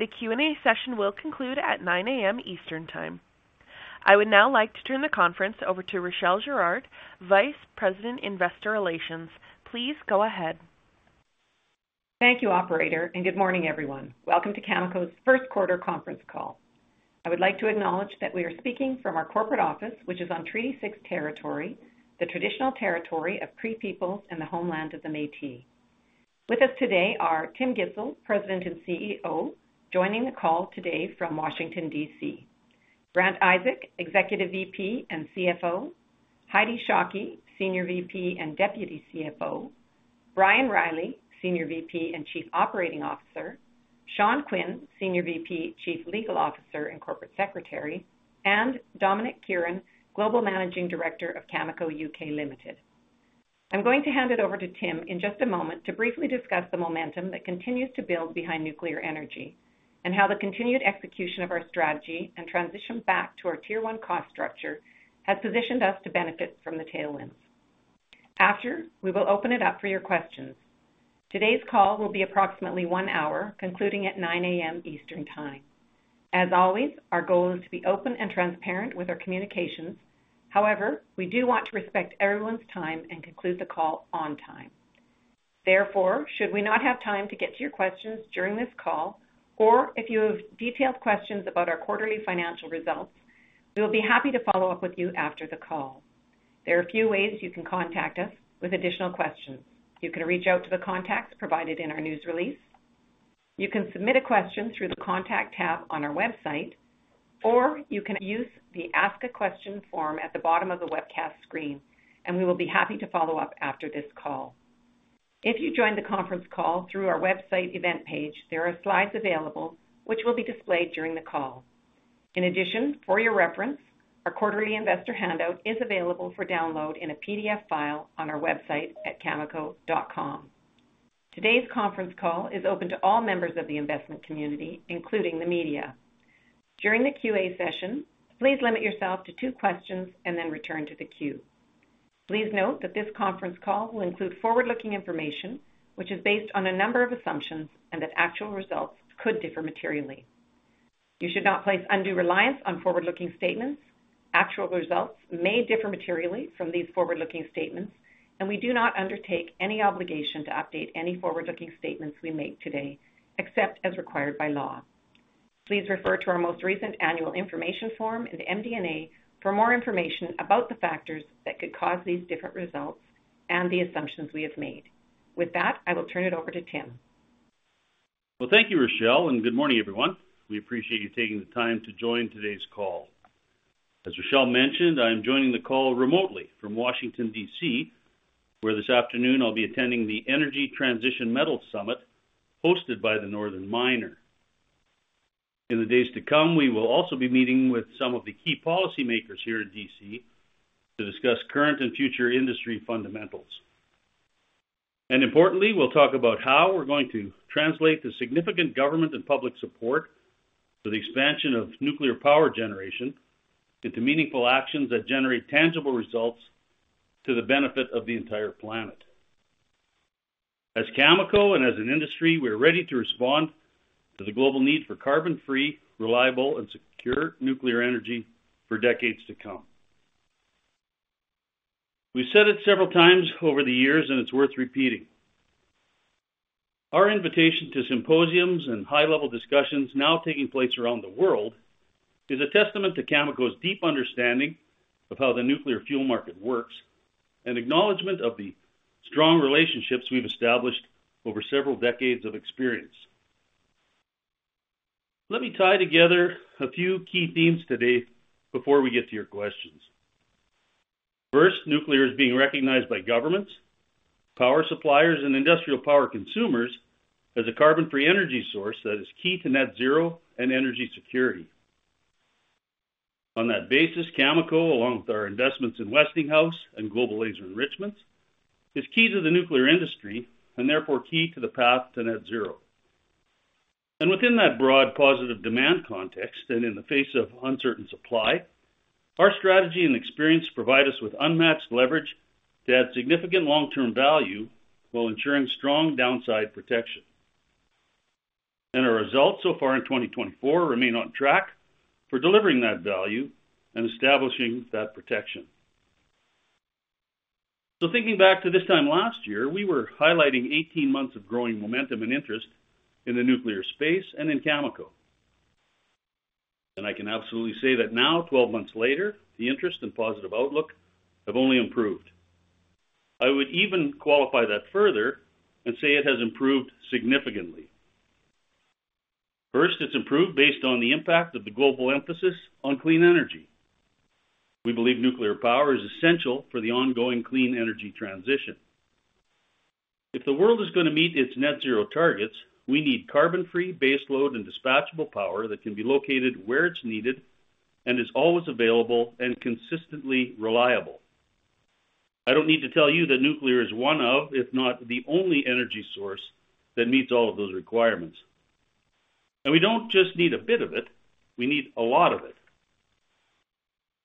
The Q&A session will conclude at 9:00 A.M. Eastern Time. I would now like to turn the conference over to Rachelle Girard, Vice President, Investor Relations. Please go ahead. Thank you, operator, and good morning, everyone. Welcome to Cameco's first quarter conference call. I would like to acknowledge that we are speaking from our corporate office, which is on Treaty Six territory, the traditional territory of Cree peoples and the homeland of the Métis. With us today are Tim Gitzel, President and CEO, joining the call today from Washington, D.C.; Grant Isaac, Executive VP and CFO; Heidi Shockey, Senior VP and Deputy CFO; Brian Reilly, Senior VP and Chief Operating Officer; Sean Quinn, Senior VP, Chief Legal Officer and Corporate Secretary; and Dominic Kieran, Global Managing Director of Cameco UK Limited. I'm going to hand it over to Tim in just a moment to briefly discuss the momentum that continues to build behind nuclear energy, and how the continued execution of our strategy and transition back to our Tier One cost structure has positioned us to benefit from the tailwinds. After, we will open it up for your questions. Today's call will be approximately one hour, concluding at 9 A.M. Eastern Time. As always, our goal is to be open and transparent with our communications. However, we do want to respect everyone's time and conclude the call on time. Therefore, should we not have time to get to your questions during this call, or if you have detailed questions about our quarterly financial results, we will be happy to follow up with you after the call. There are a few ways you can contact us with additional questions. You can reach out to the contacts provided in our news release, you can submit a question through the Contact tab on our website, or you can use the Ask a Question form at the bottom of the webcast screen, and we will be happy to follow up after this call. If you joined the conference call through our website event page, there are slides available which will be displayed during the call. In addition, for your reference, our quarterly investor handout is available for download in a PDF file on our website at Cameco.com. Today's conference call is open to all members of the investment community, including the media. During the Q&A session, please limit yourself to two questions and then return to the queue. Please note that this conference call will include forward-looking information, which is based on a number of assumptions and that actual results could differ materially. You should not place undue reliance on forward-looking statements. Actual results may differ materially from these forward-looking statements, and we do not undertake any obligation to update any forward-looking statements we make today, except as required by law. Please refer to our most recent annual information form and MD&A for more information about the factors that could cause these different results and the assumptions we have made. With that, I will turn it over to Tim. Well, thank you, Rachelle, and good morning, everyone. We appreciate you taking the time to join today's call. As Rachelle mentioned, I am joining the call remotely from Washington, D.C., where this afternoon I'll be attending the Energy Transition Metals Summit hosted by The Northern Miner. In the days to come, we will also be meeting with some of the key policymakers here in D.C. to discuss current and future industry fundamentals. And importantly, we'll talk about how we're going to translate the significant government and public support to the expansion of nuclear power generation into meaningful actions that generate tangible results to the benefit of the entire planet. As Cameco and as an industry, we are ready to respond to the global need for carbon-free, reliable, and secure nuclear energy for decades to come. We've said it several times over the years, and it's worth repeating. Our invitation to symposiums and high-level discussions now taking place around the world is a testament to Cameco's deep understanding of how the nuclear fuel market works and acknowledgment of the strong relationships we've established over several decades of experience. Let me tie together a few key themes today before we get to your questions. First, nuclear is being recognized by governments, power suppliers, and industrial power consumers as a carbon-free energy source that is key to net zero and energy security. On that basis, Cameco, along with our investments in Westinghouse and Global Laser Enrichment, is key to the nuclear industry and therefore key to the path to net zero. And within that broad positive demand context, and in the face of uncertain supply, our strategy and experience provide us with unmatched leverage to add significant long-term value while ensuring strong downside protection. Our results so far in 2024 remain on track for delivering that value and establishing that protection. So thinking back to this time last year, we were highlighting 18 months of growing momentum and interest in the nuclear space and in Cameco. I can absolutely say that now, 12 months later, the interest and positive outlook have only improved. I would even qualify that further and say it has improved significantly. First, it's improved based on the impact of the global emphasis on clean energy. We believe nuclear power is essential for the ongoing clean energy transition. If the world is going to meet its net zero targets, we need carbon-free, baseload, and dispatchable power that can be located where it's needed and is always available and consistently reliable. I don't need to tell you that nuclear is one of, if not the only energy source that meets all of those requirements. And we don't just need a bit of it, we need a lot of it....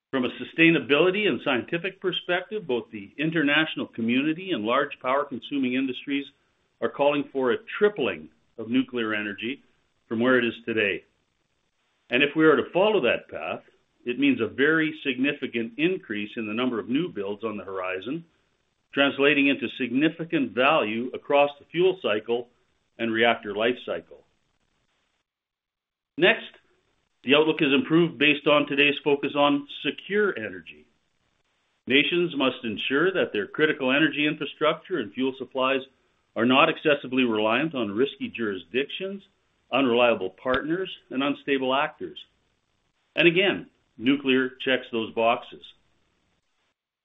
From a sustainability and scientific perspective, both the international community and large power-consuming industries are calling for a tripling of nuclear energy from where it is today. And if we are to follow that path, it means a very significant increase in the number of new builds on the horizon, translating into significant value across the fuel cycle and reactor lifecycle. Next, the outlook has improved based on today's focus on secure energy. Nations must ensure that their critical energy infrastructure and fuel supplies are not excessively reliant on risky jurisdictions, unreliable partners, and unstable actors. And again, nuclear checks those boxes.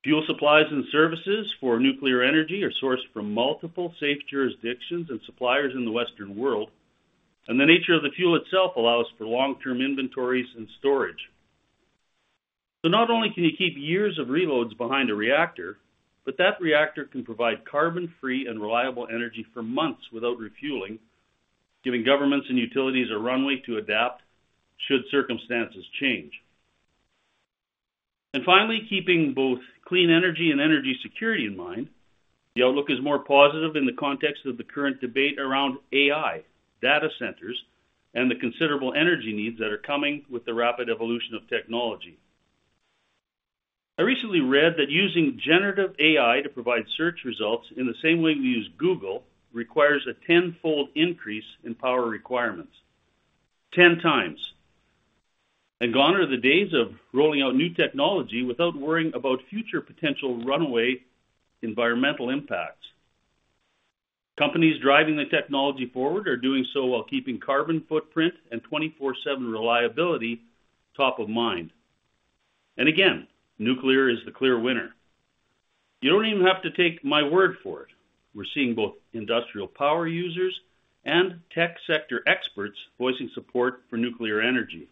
Fuel supplies and services for nuclear energy are sourced from multiple safe jurisdictions and suppliers in the Western world, and the nature of the fuel itself allows for long-term inventories and storage. So not only can you keep years of reloads behind a reactor, but that reactor can provide carbon-free and reliable energy for months without refueling, giving governments and utilities a runway to adapt should circumstances change. And finally, keeping both clean energy and energy security in mind, the outlook is more positive in the context of the current debate around AI, data centers, and the considerable energy needs that are coming with the rapid evolution of technology. I recently read that using generative AI to provide search results in the same way we use Google requires a tenfold increase in power requirements. Ten times. Gone are the days of rolling out new technology without worrying about future potential runaway environmental impacts. Companies driving the technology forward are doing so while keeping carbon footprint and 24/7 reliability top of mind. And again, nuclear is the clear winner. You don't even have to take my word for it. We're seeing both industrial power users and tech sector experts voicing support for nuclear energy,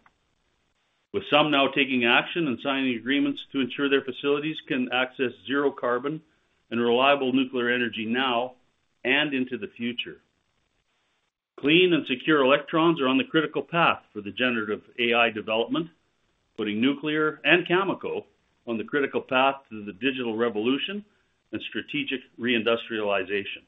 with some now taking action and signing agreements to ensure their facilities can access zero carbon and reliable nuclear energy now and into the future. Clean and secure electrons are on the critical path for the generative AI development, putting nuclear and Cameco on the critical path to the digital revolution and strategic reindustrialization.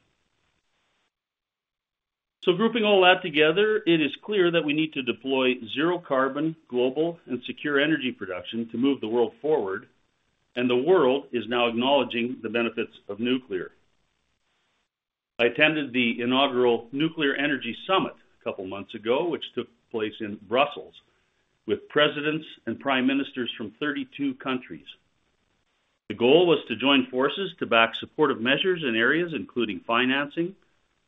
So grouping all that together, it is clear that we need to deploy zero carbon, global, and secure energy production to move the world forward, and the world is now acknowledging the benefits of nuclear. I attended the inaugural Nuclear Energy Summit a couple months ago, which took place in Brussels, with presidents and prime ministers from 32 countries. The goal was to join forces to back supportive measures in areas including financing,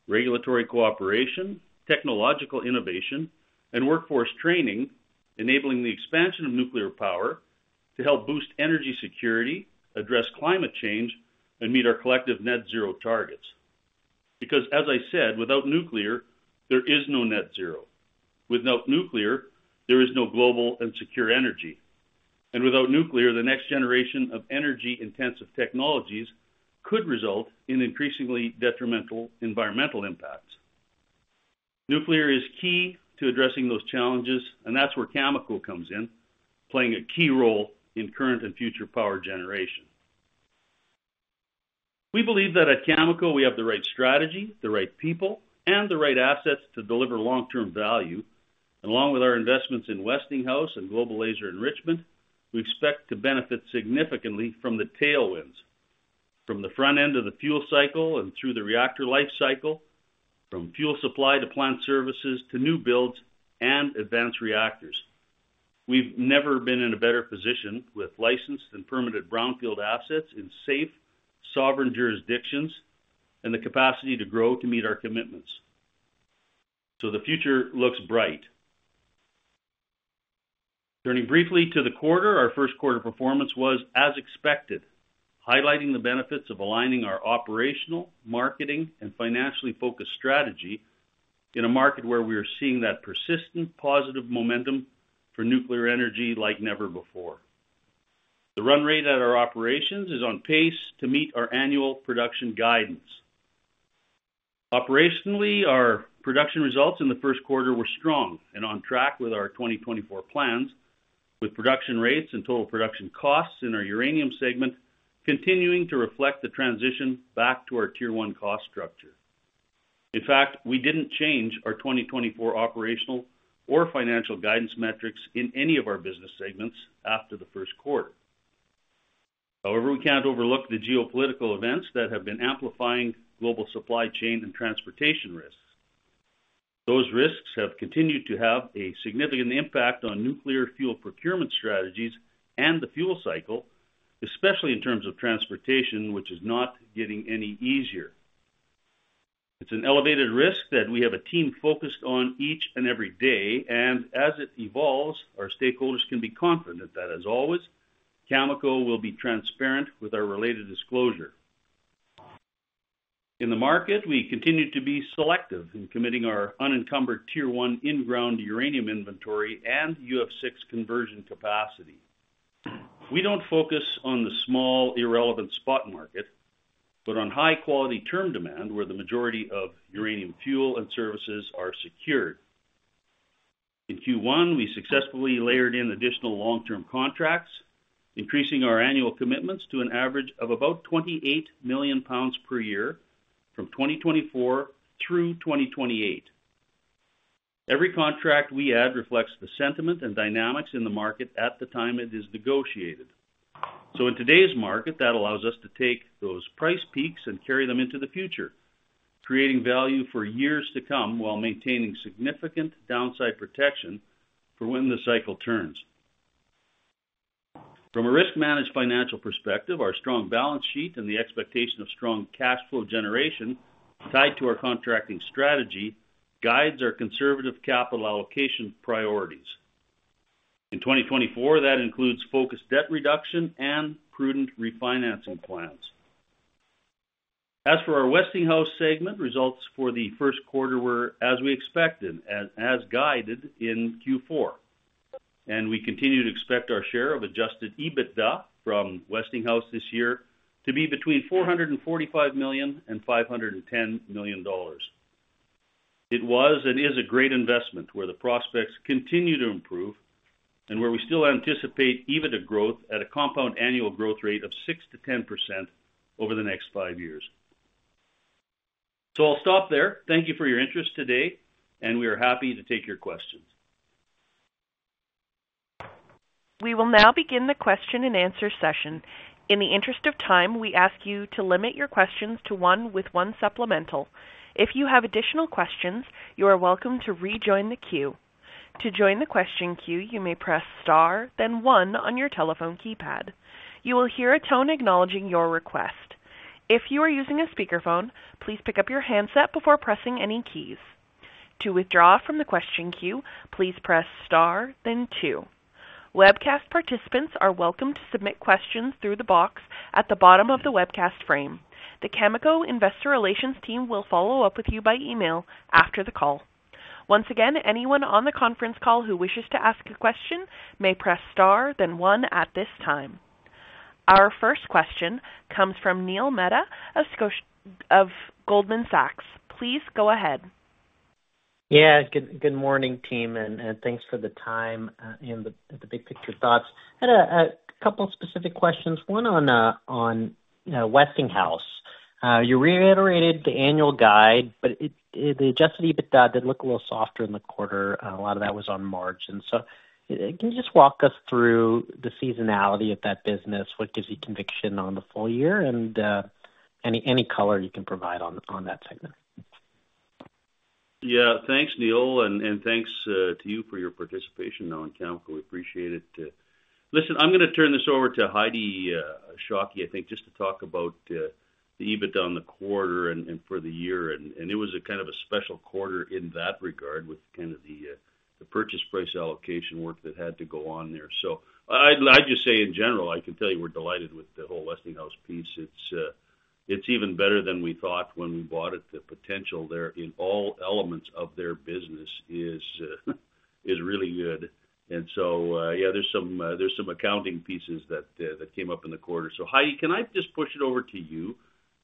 regulatory cooperation, technological innovation, and workforce training, enabling the expansion of nuclear power to help boost energy security, address climate change, and meet our collective net zero targets. Because, as I said, without nuclear, there is no net zero. Without nuclear, there is no global and secure energy. And without nuclear, the next generation of energy-intensive technologies could result in increasingly detrimental environmental impacts. Nuclear is key to addressing those challenges, and that's where Cameco comes in, playing a key role in current and future power generation. We believe that at Cameco, we have the right strategy, the right people, and the right assets to deliver long-term value. Along with our investments in Westinghouse and Global Laser Enrichment, we expect to benefit significantly from the tailwinds, from the front end of the fuel cycle and through the reactor life cycle, from fuel supply to plant services, to new builds and advanced reactors. We've never been in a better position with licensed and permitted brownfield assets in safe, sovereign jurisdictions and the capacity to grow to meet our commitments. So the future looks bright. Turning briefly to the quarter, our first quarter performance was as expected, highlighting the benefits of aligning our operational, marketing, and financially focused strategy in a market where we are seeing that persistent positive momentum for nuclear energy like never before. The run rate at our operations is on pace to meet our annual production guidance. Operationally, our production results in the first quarter were strong and on track with our 2024 plans, with production rates and total production costs in our uranium segment continuing to reflect the transition back to our Tier One cost structure. In fact, we didn't change our 2024 operational or financial guidance metrics in any of our business segments after the first quarter. However, we can't overlook the geopolitical events that have been amplifying global supply chain and transportation risks. Those risks have continued to have a significant impact on nuclear fuel procurement strategies and the fuel cycle, especially in terms of transportation, which is not getting any easier. It's an elevated risk that we have a team focused on each and every day, and as it evolves, our stakeholders can be confident that, as always, Cameco will be transparent with our related disclosure. In the market, we continue to be selective in committing our unencumbered Tier One in-ground uranium inventory and UF6 conversion capacity. We don't focus on the small, irrelevant spot market, but on high-quality term demand, where the majority of uranium fuel and services are secured. In Q1, we successfully layered in additional long-term contracts, increasing our annual commitments to an average of about 28 million pounds per year from 2024 through 2028. Every contract we add reflects the sentiment and dynamics in the market at the time it is negotiated. So in today's market, that allows us to take those price peaks and carry them into the future, creating value for years to come while maintaining significant downside protection for when the cycle turns. From a risk-managed financial perspective, our strong balance sheet and the expectation of strong cash flow generation tied to our contracting strategy guides our conservative capital allocation priorities. In 2024, that includes focused debt reduction and prudent refinancing plans. As for our Westinghouse segment, results for the first quarter were as we expected, as guided in Q4, and we continue to expect our share of Adjusted EBITDA from Westinghouse this year to be between $445 million and $510 million. It was and is a great investment, where the prospects continue to improve and where we still anticipate EBITDA growth at a compound annual growth rate of 6%-10% over the next five years. I'll stop there. Thank you for your interest today, and we are happy to take your questions. We will now begin the question-and-answer session. In the interest of time, we ask you to limit your questions to one with one supplemental. If you have additional questions, you are welcome to rejoin the queue. To join the question queue, you may press star, then one on your telephone keypad. You will hear a tone acknowledging your request. If you are using a speakerphone, please pick up your handset before pressing any keys. To withdraw from the question queue, please press star then two. Webcast participants are welcome to submit questions through the box at the bottom of the webcast frame. The Cameco investor relations team will follow up with you by email after the call. Once again, anyone on the conference call who wishes to ask a question may press star, then one at this time. Our first question comes from Neil Mehta of Goldman Sachs. Please go ahead. Yeah, good morning, team, and thanks for the time, and the big picture thoughts. I had a couple of specific questions. One on Westinghouse. You reiterated the annual guide, but the Adjusted EBITDA did look a little softer in the quarter. A lot of that was on margin. So can you just walk us through the seasonality of that business? What gives you conviction on the full year, and any color you can provide on that segment? Yeah, thanks, Neil, and, and thanks to you for your participation on Cameco. We appreciate it. Listen, I'm gonna turn this over to Heidi Shockey, I think, just to talk about the EBITDA on the quarter and, and for the year, and, and it was a kind of a special quarter in that regard, with kind of the, the purchase price allocation work that had to go on there. So I'd, I'd just say, in general, I can tell you we're delighted with the whole Westinghouse piece. It's, it's even better than we thought when we bought it. The potential there in all elements of their business is, is really good. And so, yeah, there's some, there's some accounting pieces that, that came up in the quarter. Heidi, can I just push it over to you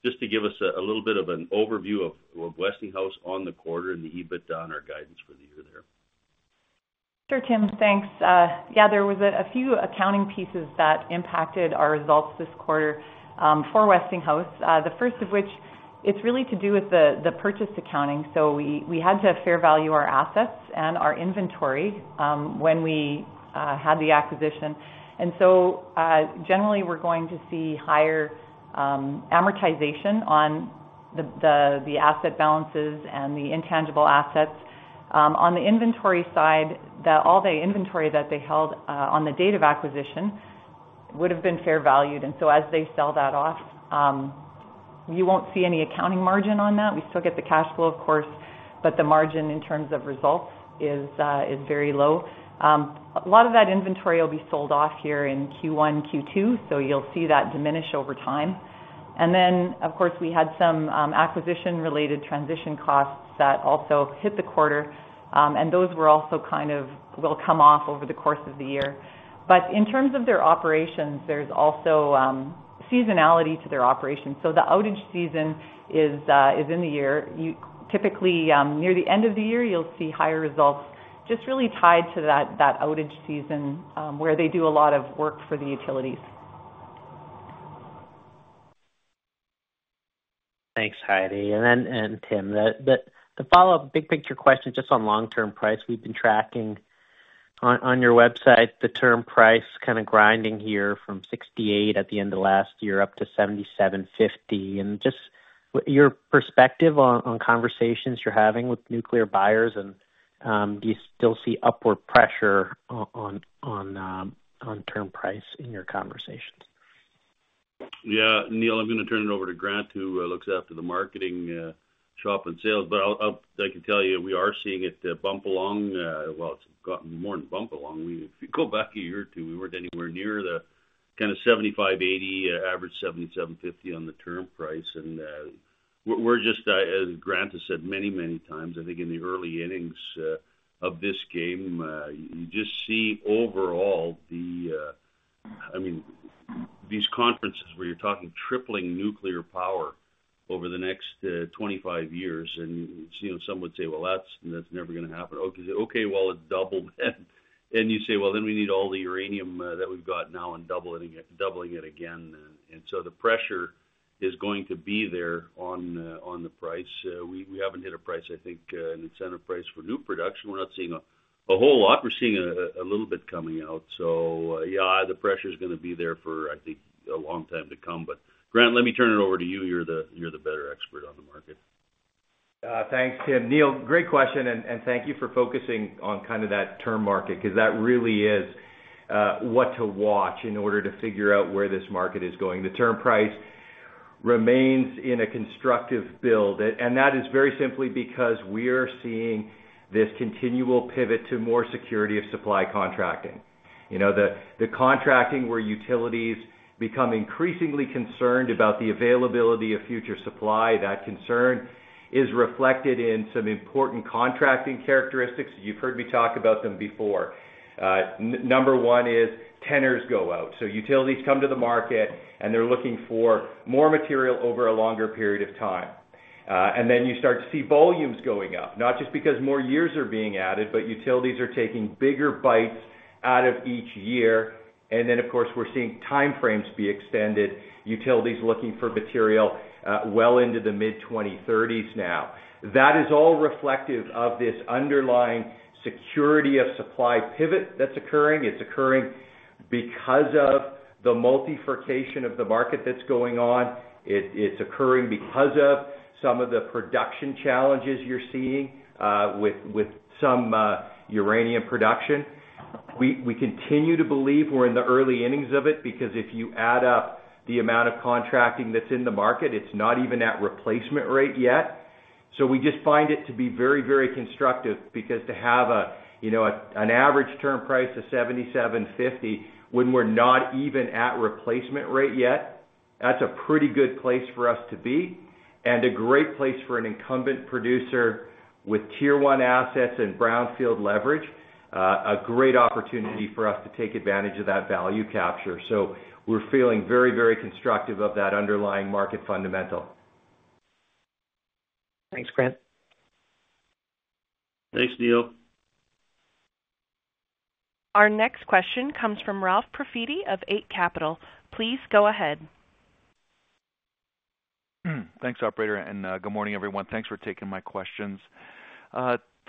just to give us a little bit of an overview of Westinghouse on the quarter and the EBITDA on our guidance for the year there? Sure, Tim. Thanks. Yeah, there was a few accounting pieces that impacted our results this quarter, for Westinghouse. The first of which, it's really to do with the purchase accounting. So we had to fair value our assets and our inventory, when we had the acquisition. And so, generally, we're going to see higher amortization on the asset balances and the intangible assets. On the inventory side, all the inventory that they held, on the date of acquisition would've been fair valued. And so as they sell that off, you won't see any accounting margin on that. We still get the cash flow, of course, but the margin in terms of results is very low. A lot of that inventory will be sold off here in Q1, Q2, so you'll see that diminish over time. And then, of course, we had some acquisition-related transition costs that also hit the quarter, and those were also kind of will come off over the course of the year. But in terms of their operations, there's also seasonality to their operations. So the outage season is in the year. You typically near the end of the year, you'll see higher results, just really tied to that outage season, where they do a lot of work for the utilities. Thanks, Heidi, and Tim. The follow-up big picture question, just on long-term price. We've been tracking on your website, the term price kind of grinding here from $68 at the end of last year, up to $77.50. And just what your perspective on conversations you're having with nuclear buyers, and do you still see upward pressure on term price in your conversations? Yeah. Neil, I'm gonna turn it over to Grant, who looks after the marketing shop and sales. But I'll-- I can tell you, we are seeing it bump along. Well, it's gotten more than bump along. We-- if you go back a year or two, we weren't anywhere near the kind of $75-$80, average $77.50 on the term price. And, we're just, as Grant has said many, many times, I think in the early innings of this game, you just see overall the, I mean-- these conferences where you're talking tripling nuclear power over the next 25 years, and, you know, some would say, "Well, that's, that's never going to happen." Okay, okay, well, it doubled. And you say, "Well, then we need all the uranium that we've got now and doubling it, doubling it again then." And so the pressure is going to be there on the price. We haven't hit a price I think an incentive price for new production. We're not seeing a whole lot. We're seeing a little bit coming out. So yeah, the pressure is gonna be there for I think a long time to come. But Grant, let me turn it over to you. You're the better expert on the market. Thanks, Tim. Neil, great question, and thank you for focusing on kind of that term market, 'cause that really is what to watch in order to figure out where this market is going. The term price remains in a constructive build, and that is very simply because we are seeing this continual pivot to more security of supply contracting. You know, the contracting, where utilities become increasingly concerned about the availability of future supply, that concern is reflected in some important contracting characteristics. You've heard me talk about them before. Number one is tenors go out, so utilities come to the market, and they're looking for more material over a longer period of time. And then you start to see volumes going up, not just because more years are being added, but utilities are taking bigger bites out of each year. And then, of course, we're seeing time frames be extended, utilities looking for material, well into the mid-2030s now. That is all reflective of this underlying security of supply pivot that's occurring. It's occurring because of the multifurcation of the market that's going on. It, it's occurring because of some of the production challenges you're seeing, with some uranium production. We continue to believe we're in the early innings of it because if you add up the amount of contracting that's in the market, it's not even at replacement rate yet. So we just find it to be very, very constructive because to have a, you know, an average term price of $77.50, when we're not even at replacement rate yet, that's a pretty good place for us to be and a great place for an incumbent producer with Tier One assets and brownfield leverage. A great opportunity for us to take advantage of that value capture. So we're feeling very, very constructive of that underlying market fundamental. Thanks, Grant. Thanks, Neil. Our next question comes from Ralph Profiti of Eight Capital. Please go ahead. Thanks, operator, and good morning, everyone. Thanks for taking my questions.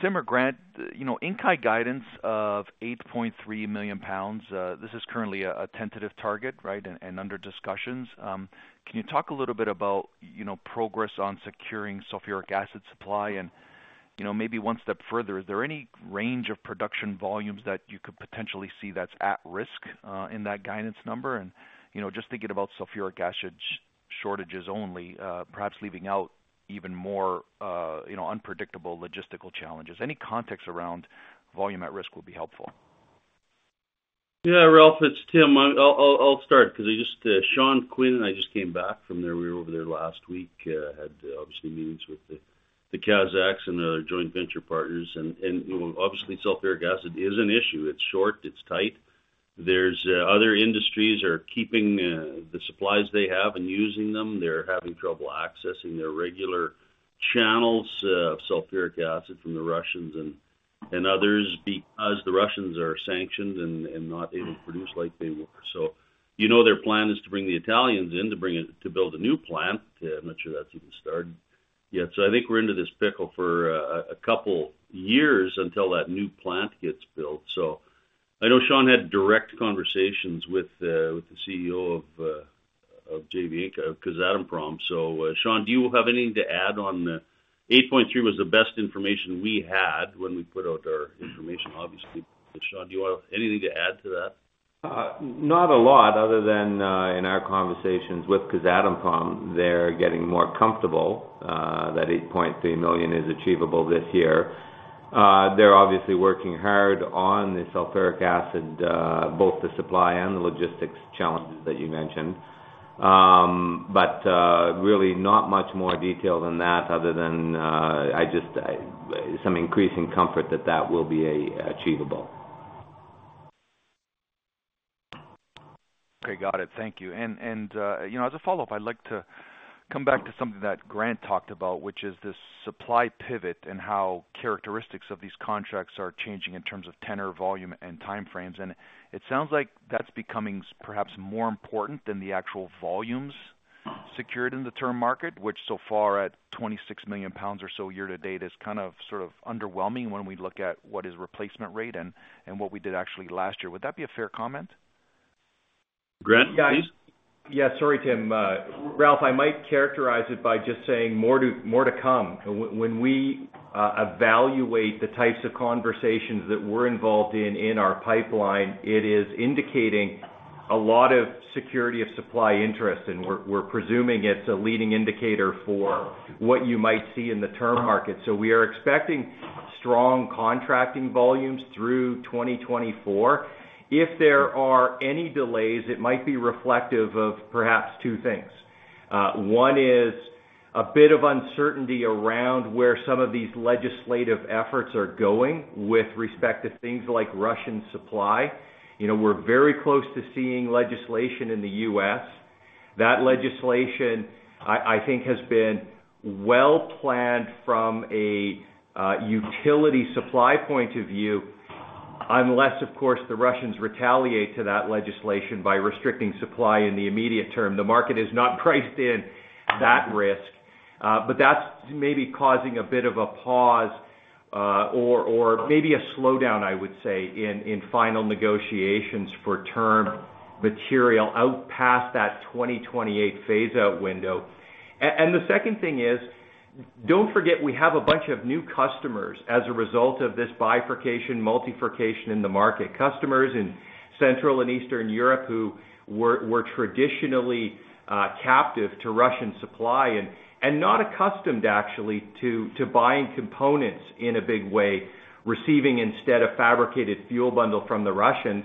Tim or Grant, you know, Inkai guidance of 8.3 million pounds, this is currently a tentative target, right? And under discussions. Can you talk a little bit about, you know, progress on securing sulfuric acid supply? And, you know, maybe one step further, is there any range of production volumes that you could potentially see that's at risk in that guidance number? And, you know, just thinking about sulfuric acid shortages only, perhaps leaving out even more, you know, unpredictable logistical challenges. Any context around volume at risk would be helpful. Yeah, Ralph, it's Tim. I'll start because I just—Sean Quinn and I just came back from there. We were over there last week, had obviously meetings with the Kazakhs and our joint venture partners, and, you know, obviously sulfuric acid is an issue. It's short, it's tight. There's other industries keeping the supplies they have and using them. They're having trouble accessing their regular channels of sulfuric acid from the Russians and others because the Russians are sanctioned and not able to produce like they were. So, you know, their plan is to bring the Italians in to build a new plant. I'm not sure that's even started yet. So I think we're into this pickle for a couple years until that new plant gets built. So I know Sean had direct conversations with the CEO of JV Inkai, Kazatomprom. So, Sean, do you have anything to add on... 8.3 was the best information we had when we put out our information, obviously. But Sean, do you want anything to add to that? Not a lot, other than in our conversations with Kazatomprom, they're getting more comfortable that 8.3 million is achievable this year. They're obviously working hard on the sulfuric acid, both the supply and the logistics challenges that you mentioned. But really not much more detail than that, other than some increasing comfort that that will be achievable. Okay, got it. Thank you. And you know, as a follow-up, I'd like to come back to something that Grant talked about, which is this supply pivot and how characteristics of these contracts are changing in terms of tenor, volume, and time frames. And it sounds like that's becoming perhaps more important than the actual volumes secured in the term market, which so far, at 26 million pounds or so year-to-date, is kind of sort of underwhelming when we look at what is replacement rate and what we did actually last year. Would that be a fair comment? Grant, please. Yeah. Sorry, Tim. Ralph, I might characterize it by just saying more to come. When we evaluate the types of conversations that we're involved in, in our pipeline, it is indicating a lot of security of supply interest, and we're presuming it's a leading indicator for what you might see in the term market. So we are expecting strong contracting volumes through 2024. If there are any delays, it might be reflective of perhaps two things. One is a bit of uncertainty around where some of these legislative efforts are going with respect to things like Russian supply. You know, we're very close to seeing legislation in the U.S. That legislation, I think, has been well-planned from a utility supply point of view, unless, of course, the Russians retaliate to that legislation by restricting supply in the immediate term. The market is not priced in that risk, but that's maybe causing a bit of a pause, or maybe a slowdown, I would say, in final negotiations for term material out past that 2028 phase-out window. And the second thing is, don't forget, we have a bunch of new customers as a result of this bifurcation, multifurcation in the market. Customers in Central and Eastern Europe who were traditionally captive to Russian supply and not accustomed actually to buying components in a big way, receiving instead a fabricated fuel bundle from the Russians.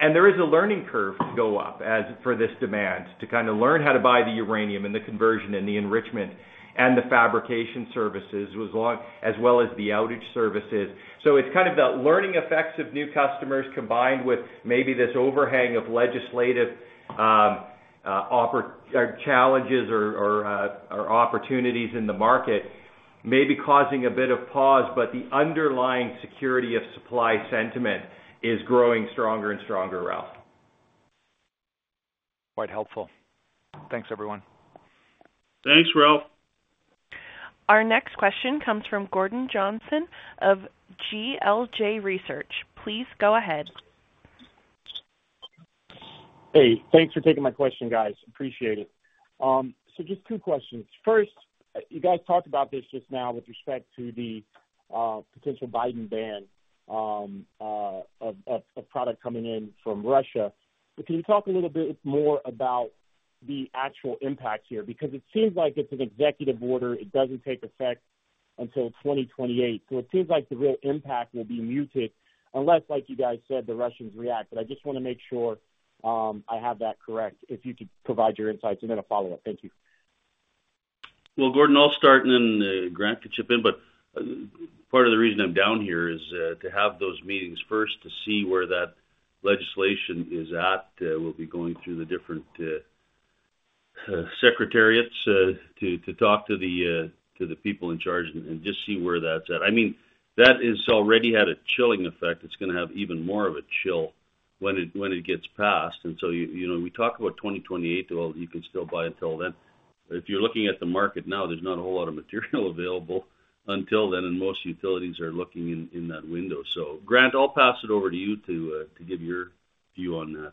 And there is a learning curve to go up as for this demand, to kinda learn how to buy the uranium and the conversion and the enrichment and the fabrication services, as well as the outage services. So it's kind of the learning effects of new customers, combined with maybe this overhang of legislative challenges or opportunities in the market, may be causing a bit of pause, but the underlying security of supply sentiment is growing stronger and stronger, Ralph. Quite helpful. Thanks, everyone. Thanks, Ralph. Our next question comes from Gordon Johnson of GLJ Research. Please go ahead. Hey, thanks for taking my question, guys. Appreciate it. So just two questions. First, you guys talked about this just now with respect to the potential Biden ban of product coming in from Russia. But can you talk a little bit more about the actual impact here? Because it seems like it's an executive order, it doesn't take effect until 2028. So it seems like the real impact will be muted, unless, like you guys said, the Russians react. But I just wanna make sure I have that correct, if you could provide your insights and then a follow-up. Thank you. Well, Gordon, I'll start and then, Grant could chip in. But, part of the reason I'm down here is, to have those meetings first to see where that legislation is at. We'll be going through the different, secretariats, to, to talk to the, to the people in charge and, and just see where that's at. I mean, that has already had a chilling effect. It's gonna have even more of a chill when it, when it gets passed. And so, you, you know, we talk about 2028, well, you can still buy until then. But if you're looking at the market now, there's not a whole lot of material available until then, and most utilities are looking in, in that window. So, Grant, I'll pass it over to you to, to give your view on that.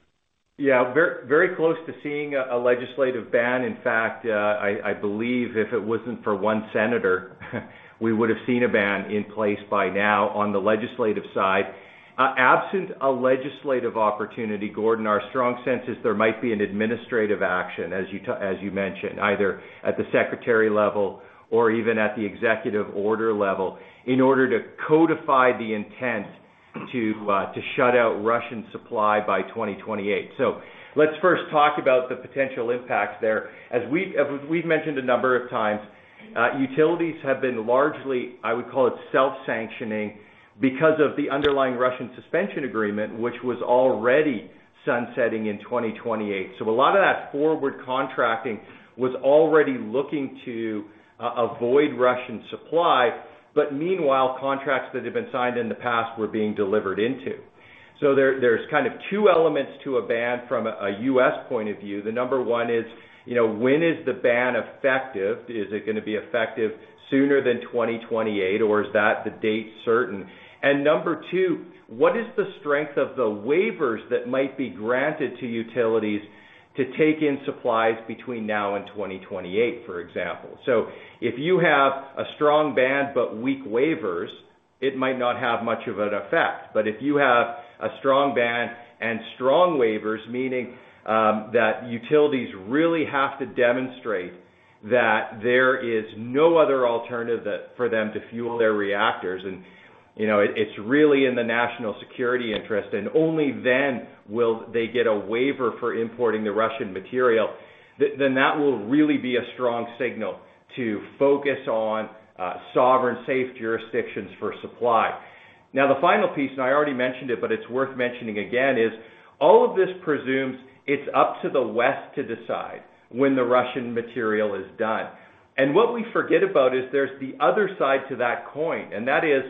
Yeah, very close to seeing a legislative ban. In fact, I believe if it wasn't for one senator, we would have seen a ban in place by now on the legislative side. Absent a legislative opportunity, Gordon, our strong sense is there might be an administrative action, as you mentioned, either at the secretary level or even at the executive order level, in order to codify the intent to shut out Russian supply by 2028. So let's first talk about the potential impacts there. As we've mentioned a number of times, utilities have been largely, I would call it, self-sanctioning because of the underlying Russian Suspension Agreement, which was already sunsetting in 2028. So a lot of that forward contracting was already looking to avoid Russian supply, but meanwhile, contracts that had been signed in the past were being delivered into. So there, there's kind of two elements to a ban from a U.S. point of view. The number one is, you know, when is the ban effective? Is it gonna be effective sooner than 2028, or is that the date certain? And number two, what is the strength of the waivers that might be granted to utilities to take in supplies between now and 2028, for example? So if you have a strong ban but weak waivers, it might not have much of an effect. But if you have a strong ban and strong waivers, meaning that utilities really have to demonstrate that there is no other alternative for them to fuel their reactors, and, you know, it, it's really in the national security interest, and only then will they get a waiver for importing the Russian material, then that will really be a strong signal to focus on sovereign, safe jurisdictions for supply. Now, the final piece, and I already mentioned it, but it's worth mentioning again, is all of this presumes it's up to the West to decide when the Russian material is done. What we forget about is there's the other side to that coin, and that is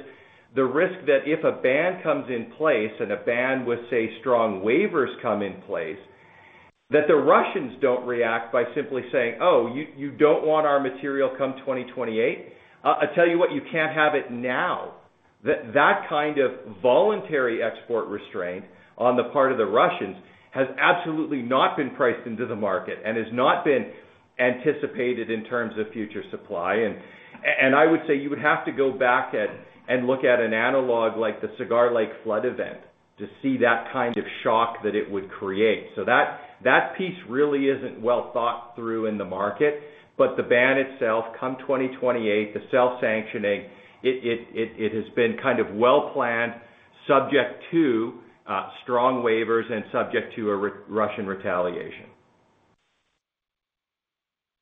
the risk that if a ban comes in place and a ban with, say, strong waivers come in place, that the Russians don't react by simply saying, "Oh, you don't want our material come 2028? I tell you what, you can't have it now." That kind of voluntary export restraint on the part of the Russians has absolutely not been priced into the market and has not been anticipated in terms of future supply. And I would say you would have to go back and look at an analog like the Cigar Lake flood event to see that kind of shock that it would create. So that piece really isn't well thought through in the market. But the ban itself, come 2028, the self-sanctioning has been kind of well-planned, subject to strong waivers and subject to a Russian retaliation.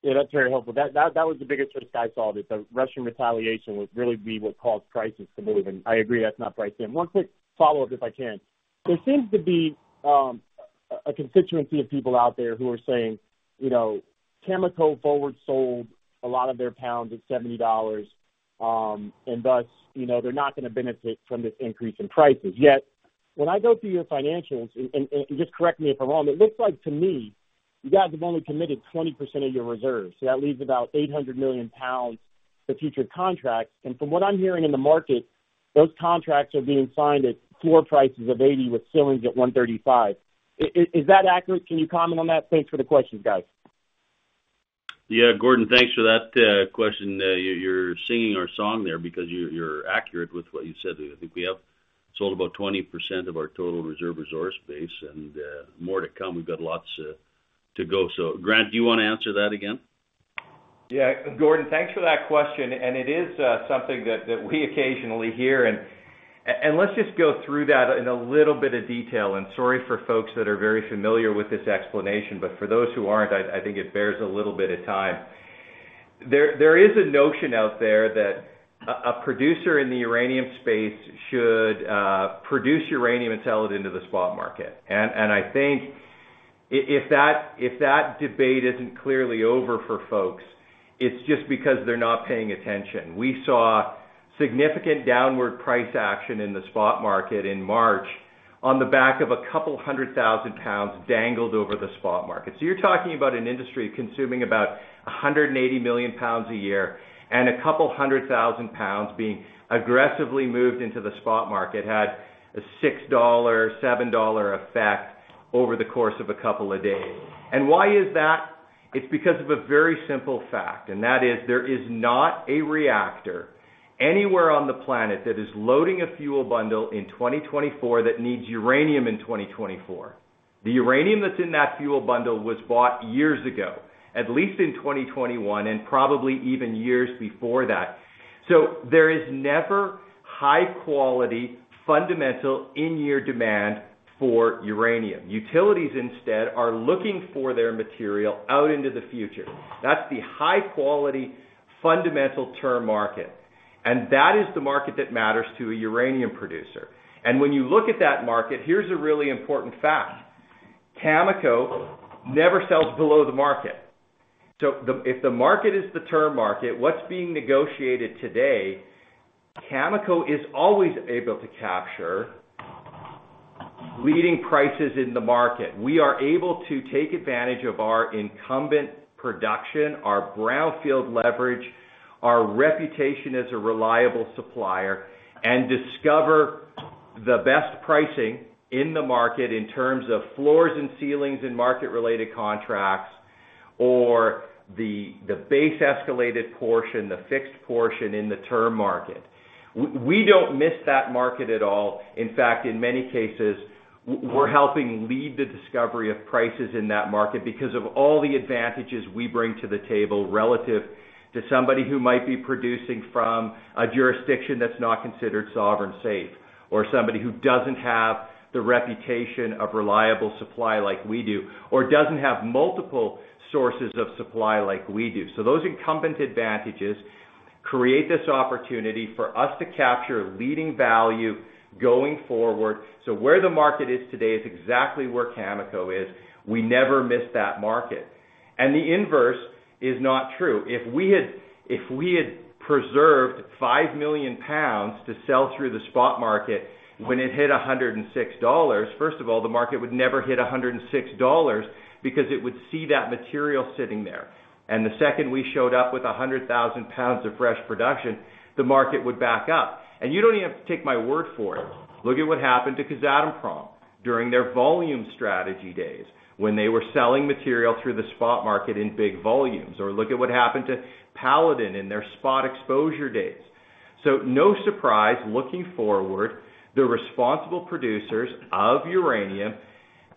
Yeah, that's very helpful. That was the biggest risk I saw there, the Russian retaliation would really be what caused prices to move, and I agree that's not priced in. One quick follow-up, if I can. There seems to be a constituency of people out there who are saying, you know, Cameco forward sold a lot of their pounds at $70, and thus, you know, they're not gonna benefit from this increase in prices. Yet, when I go through your financials, and just correct me if I'm wrong, it looks like to me, you guys have only committed 20% of your reserves, so that leaves about 800 million pounds for future contracts. And from what I'm hearing in the market, those contracts are being signed at floor prices of $80 with ceilings at $135. Is that accurate? Can you comment on that? Thanks for the questions, guys. Yeah, Gordon, thanks for that question. You're singing our song there because you're accurate with what you said. I think we have sold about 20% of our total reserve resource base, and more to come. We've got lots to go. So Grant, do you wanna answer that again? Yeah, Gordon, thanks for that question, and it is something that we occasionally hear. And let's just go through that in a little bit of detail, and sorry for folks that are very familiar with this explanation, but for those who aren't, I think it bears a little bit of time. There is a notion out there that a producer in the uranium space should produce uranium and sell it into the spot market. And I think if that debate isn't clearly over for folks, it's just because they're not paying attention. We saw significant downward price action in the spot market in March on the back of 200,000 pounds dangled over the spot market. So you're talking about an industry consuming about 180 million pounds a year, and 200,000 pounds being aggressively moved into the spot market, had a $6-$7 effect over the course of a couple of days. And why is that? It's because of a very simple fact, and that is, there is not a reactor anywhere on the planet that is loading a fuel bundle in 2024, that needs uranium in 2024. The uranium that's in that fuel bundle was bought years ago, at least in 2021, and probably even years before that. So there is never high-quality, fundamental, in-year demand for uranium. Utilities instead are looking for their material out into the future. That's the high-quality, fundamental term market, and that is the market that matters to a uranium producer. When you look at that market, here's a really important fact: Cameco never sells below the market. So, if the market is the term market, what's being negotiated today, Cameco is always able to capture leading prices in the market. We are able to take advantage of our incumbent production, our brownfield leverage, our reputation as a reliable supplier, and discover the best pricing in the market in terms of floors and ceilings and market-related contracts, or the base escalated portion, the fixed portion in the term market. We don't miss that market at all. In fact, in many cases, we're helping lead the discovery of prices in that market because of all the advantages we bring to the table, relative to somebody who might be producing from a jurisdiction that's not considered sovereign safe, or somebody who doesn't have the reputation of reliable supply like we do, or doesn't have multiple sources of supply like we do. So those incumbent advantages create this opportunity for us to capture leading value going forward. So where the market is today is exactly where Cameco is. We never miss that market, and the inverse is not true. If we had, if we had preserved 5 million pounds to sell through the spot market when it hit $106, first of all, the market would never hit $106 because it would see that material sitting there. The second we showed up with 100,000 pounds of fresh production, the market would back up. You don't even have to take my word for it. Look at what happened to Kazatomprom during their volume strategy days when they were selling material through the spot market in big volumes, or look at what happened to Paladin in their spot exposure days. No surprise, looking forward, the responsible producers of uranium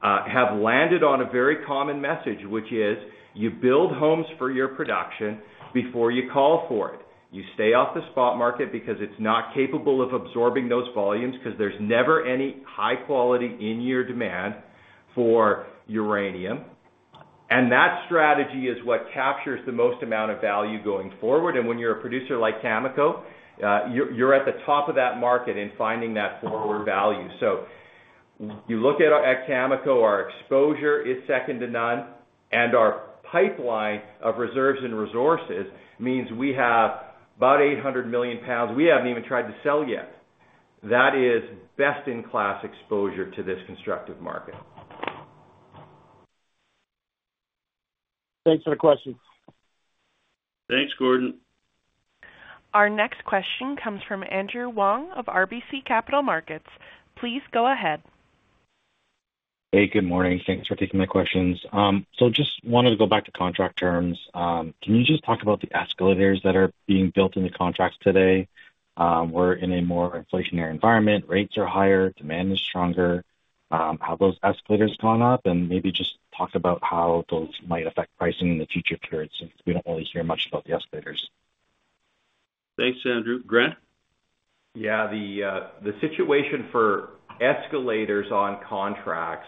have landed on a very common message, which is: You build homes for your production before you call for it. You stay off the spot market because it's not capable of absorbing those volumes, 'cause there's never any high quality in your demand for uranium. That strategy is what captures the most amount of value going forward. And when you're a producer like Cameco, you're at the top of that market in finding that forward value. So you look at Cameco, our exposure is second to none, and our pipeline of reserves and resources means we have about 800 million pounds we haven't even tried to sell yet. That is best-in-class exposure to this constructive market. Thanks for the question. Thanks, Gordon. Our next question comes from Andrew Wong of RBC Capital Markets. Please go ahead. Hey, good morning. Thanks for taking my questions. So just wanted to go back to contract terms. Can you just talk about the escalators that are being built in the contracts today? We're in a more inflationary environment, rates are higher, demand is stronger. How are those escalators gone up? And maybe just talk about how those might affect pricing in the future periods, since we don't really hear much about the escalators.... Thanks, Andrew. Grant? Yeah, the situation for escalators on contracts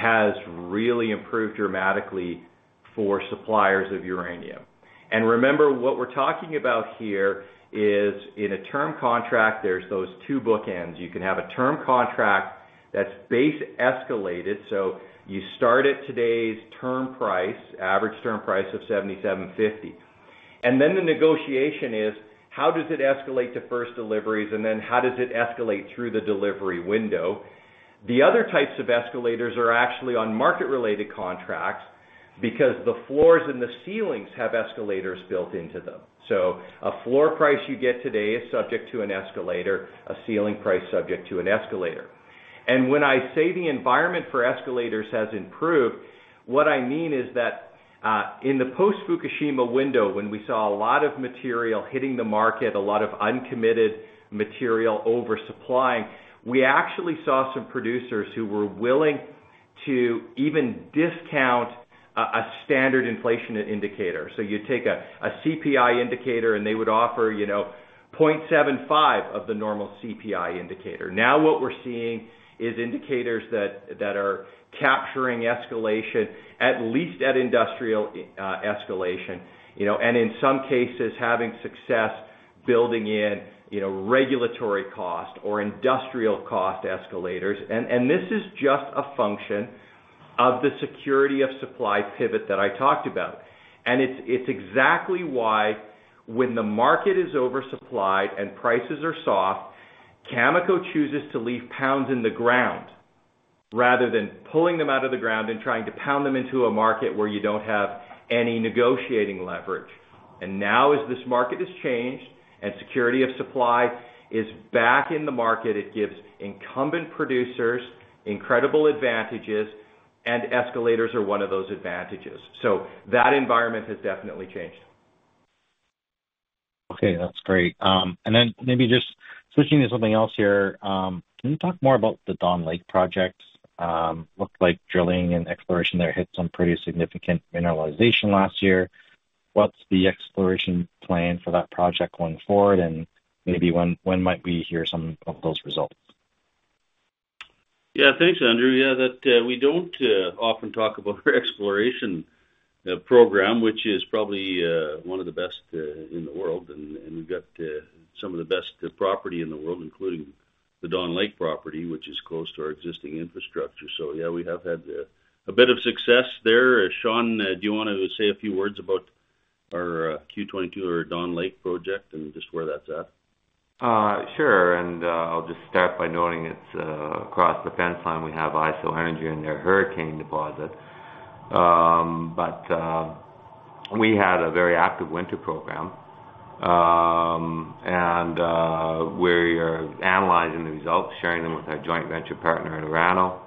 has really improved dramatically for suppliers of uranium. And remember, what we're talking about here is in a term contract, there's those two bookends. You can have a term contract that's base escalated, so you start at today's term price, average term price of $77.50. And then the negotiation is: how does it escalate to first deliveries, and then how does it escalate through the delivery window? The other types of escalators are actually on market-related contracts because the floors and the ceilings have escalators built into them. So a floor price you get today is subject to an escalator, a ceiling price subject to an escalator. When I say the environment for escalators has improved, what I mean is that, in the post-Fukushima window, when we saw a lot of material hitting the market, a lot of uncommitted material oversupply, we actually saw some producers who were willing to even discount a standard inflation indicator. So you take a CPI indicator, and they would offer, you know, 0.75 of the normal CPI indicator. Now, what we're seeing is indicators that are capturing escalation, at least at industrial escalation, you know, and in some cases, having success building in, you know, regulatory cost or industrial cost escalators. And this is just a function of the security of supply pivot that I talked about. And it's exactly why, when the market is oversupplied and prices are soft, Cameco chooses to leave pounds in the ground rather than pulling them out of the ground and trying to pound them into a market where you don't have any negotiating leverage. And now, as this market has changed and security of supply is back in the market, it gives incumbent producers incredible advantages, and escalators are one of those advantages. So that environment has definitely changed. Okay, that's great. Then maybe just switching to something else here. Can you talk more about the Dawn Lake projects? Looked like drilling and exploration there hit some pretty significant mineralization last year. What's the exploration plan for that project going forward, and maybe when, when might we hear some of those results? Yeah. Thanks, Andrew. Yeah, that, we don't often talk about our exploration program, which is probably one of the best in the world, and we've got some of the best property in the world, including the Dawn Lake property, which is close to our existing infrastructure. So yeah, we have had a bit of success there. Sean, do you want to say a few words about our Q23 or Dawn Lake project and just where that's at? Sure, and I'll just start by noting it's across the fence line, we have IsoEnergy and their Hurricane deposit. But we had a very active winter program, and we are analyzing the results, sharing them with our joint venture partner in Orano.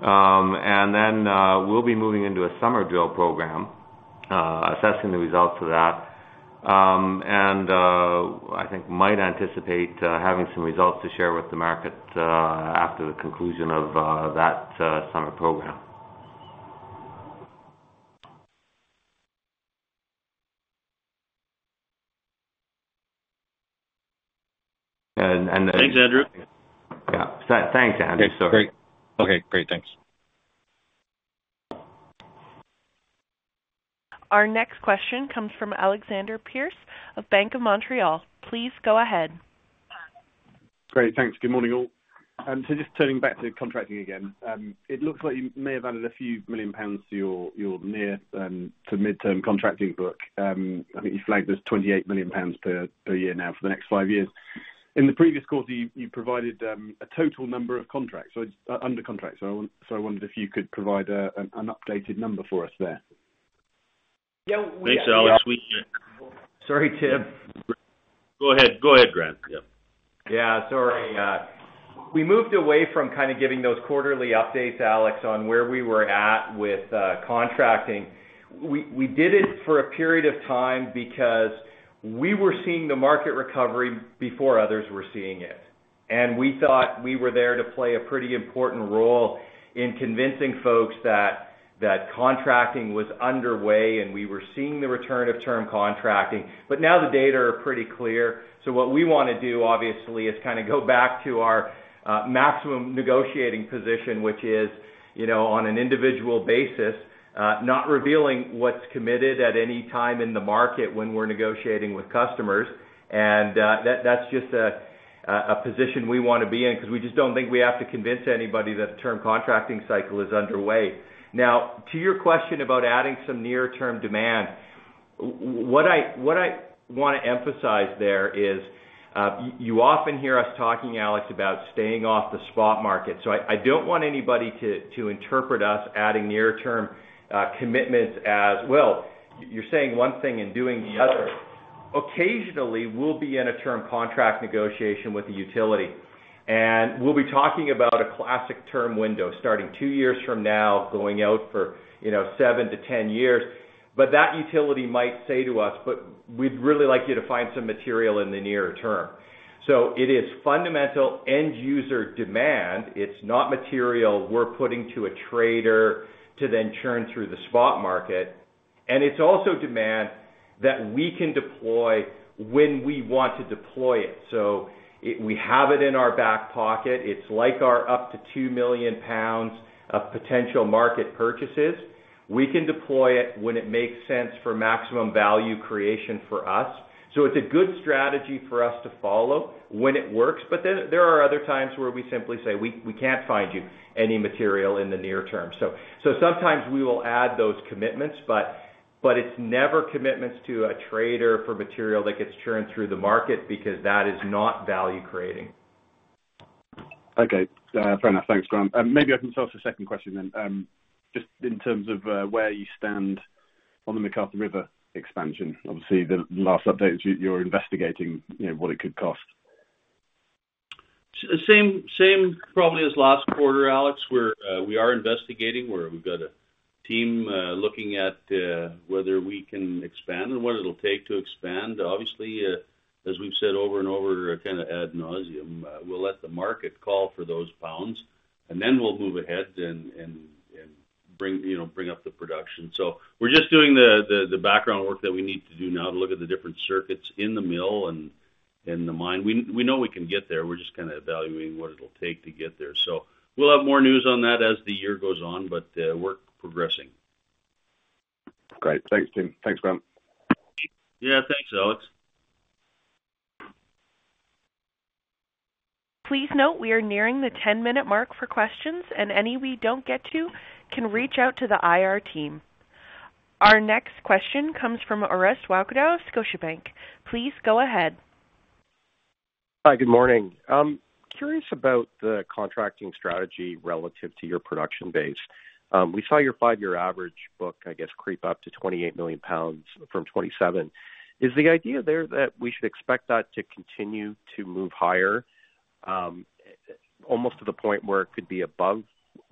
And then we'll be moving into a summer drill program, assessing the results of that, and I think might anticipate having some results to share with the market after the conclusion of that summer program. And, and- Thanks, Andrew. Yeah. Thanks, Andrew. Sorry. Okay, great. Thanks. Our next question comes from Alexander Pearce of Bank of Montreal. Please go ahead. Great. Thanks. Good morning, all. So just turning back to contracting again. It looks like you may have added a few million pounds to your near to midterm contracting book. I think you flagged this 28 million pounds per year now for the next five years. In the previous quarter, you provided a total number of contracts, so it's under contract. So I wondered if you could provide an updated number for us there. Yeah- Thanks, Alex. We- Sorry, Tim. Go ahead. Go ahead, Grant. Yeah. Yeah, sorry. We moved away from kind of giving those quarterly updates, Alex, on where we were at with contracting. We, we did it for a period of time because we were seeing the market recovery before others were seeing it, and we thought we were there to play a pretty important role in convincing folks that contracting was underway, and we were seeing the return of term contracting. But now the data are pretty clear. So what we want to do, obviously, is kind of go back to our maximum negotiating position, which is, you know, on an individual basis, not revealing what's committed at any time in the market when we're negotiating with customers. That's just a position we want to be in because we just don't think we have to convince anybody that the term contracting cycle is underway. Now, to your question about adding some near-term demand, what I want to emphasize there is, you often hear us talking, Alex, about staying off the spot market. So I don't want anybody to interpret us adding near-term commitments as, "Well, you're saying one thing and doing the other." Occasionally, we'll be in a term contract negotiation with the utility, and we'll be talking about a classic term window starting two years from now, going out for, you know, 7-10 years. But that utility might say to us, "But we'd really like you to find some material in the near term." So it is fundamental end user demand. It's not material we're putting to a trader to then churn through the spot market. And it's also demand that we can deploy when we want to deploy it. So we have it in our back pocket. It's like our up to 2 million pounds of potential market purchases. We can deploy it when it makes sense for maximum value creation for us. So it's a good strategy for us to follow when it works. But then there are other times where we simply say, "We can't find you any material in the near term." So sometimes we will add those commitments, but it's never commitments to a trader for material that gets churned through the market, because that is not value-creating. Okay. Fair enough. Thanks, Graham. Maybe I can ask a second question then, just in terms of, where you stand on the McArthur River expansion. Obviously, the last update is you're investigating, you know, what it could cost. Same, same probably as last quarter, Alex, where we are investigating, where we've got a team looking at whether we can expand and what it'll take to expand. Obviously, as we've said over and over, to kind of ad nauseam, we'll let the market call for those pounds, and then we'll move ahead and bring, you know, bring up the production. So we're just doing the background work that we need to do now to look at the different circuits in the mill and in the mine. We know we can get there. We're just kind of evaluating what it'll take to get there. So we'll have more news on that as the year goes on, but we're progressing. Great. Thanks, Tim. Thanks, Grant. Yeah, thanks, Alex. Please note, we are nearing the 10-minute mark for questions, and any we don't get to, can reach out to the IR team. Our next question comes from Orest Wowkodaw of Scotiabank. Please go ahead. Hi, good morning. Curious about the contracting strategy relative to your production base. We saw your five-year average book, I guess, creep up to 28 million pounds from 27. Is the idea there that we should expect that to continue to move higher, almost to the point where it could be above,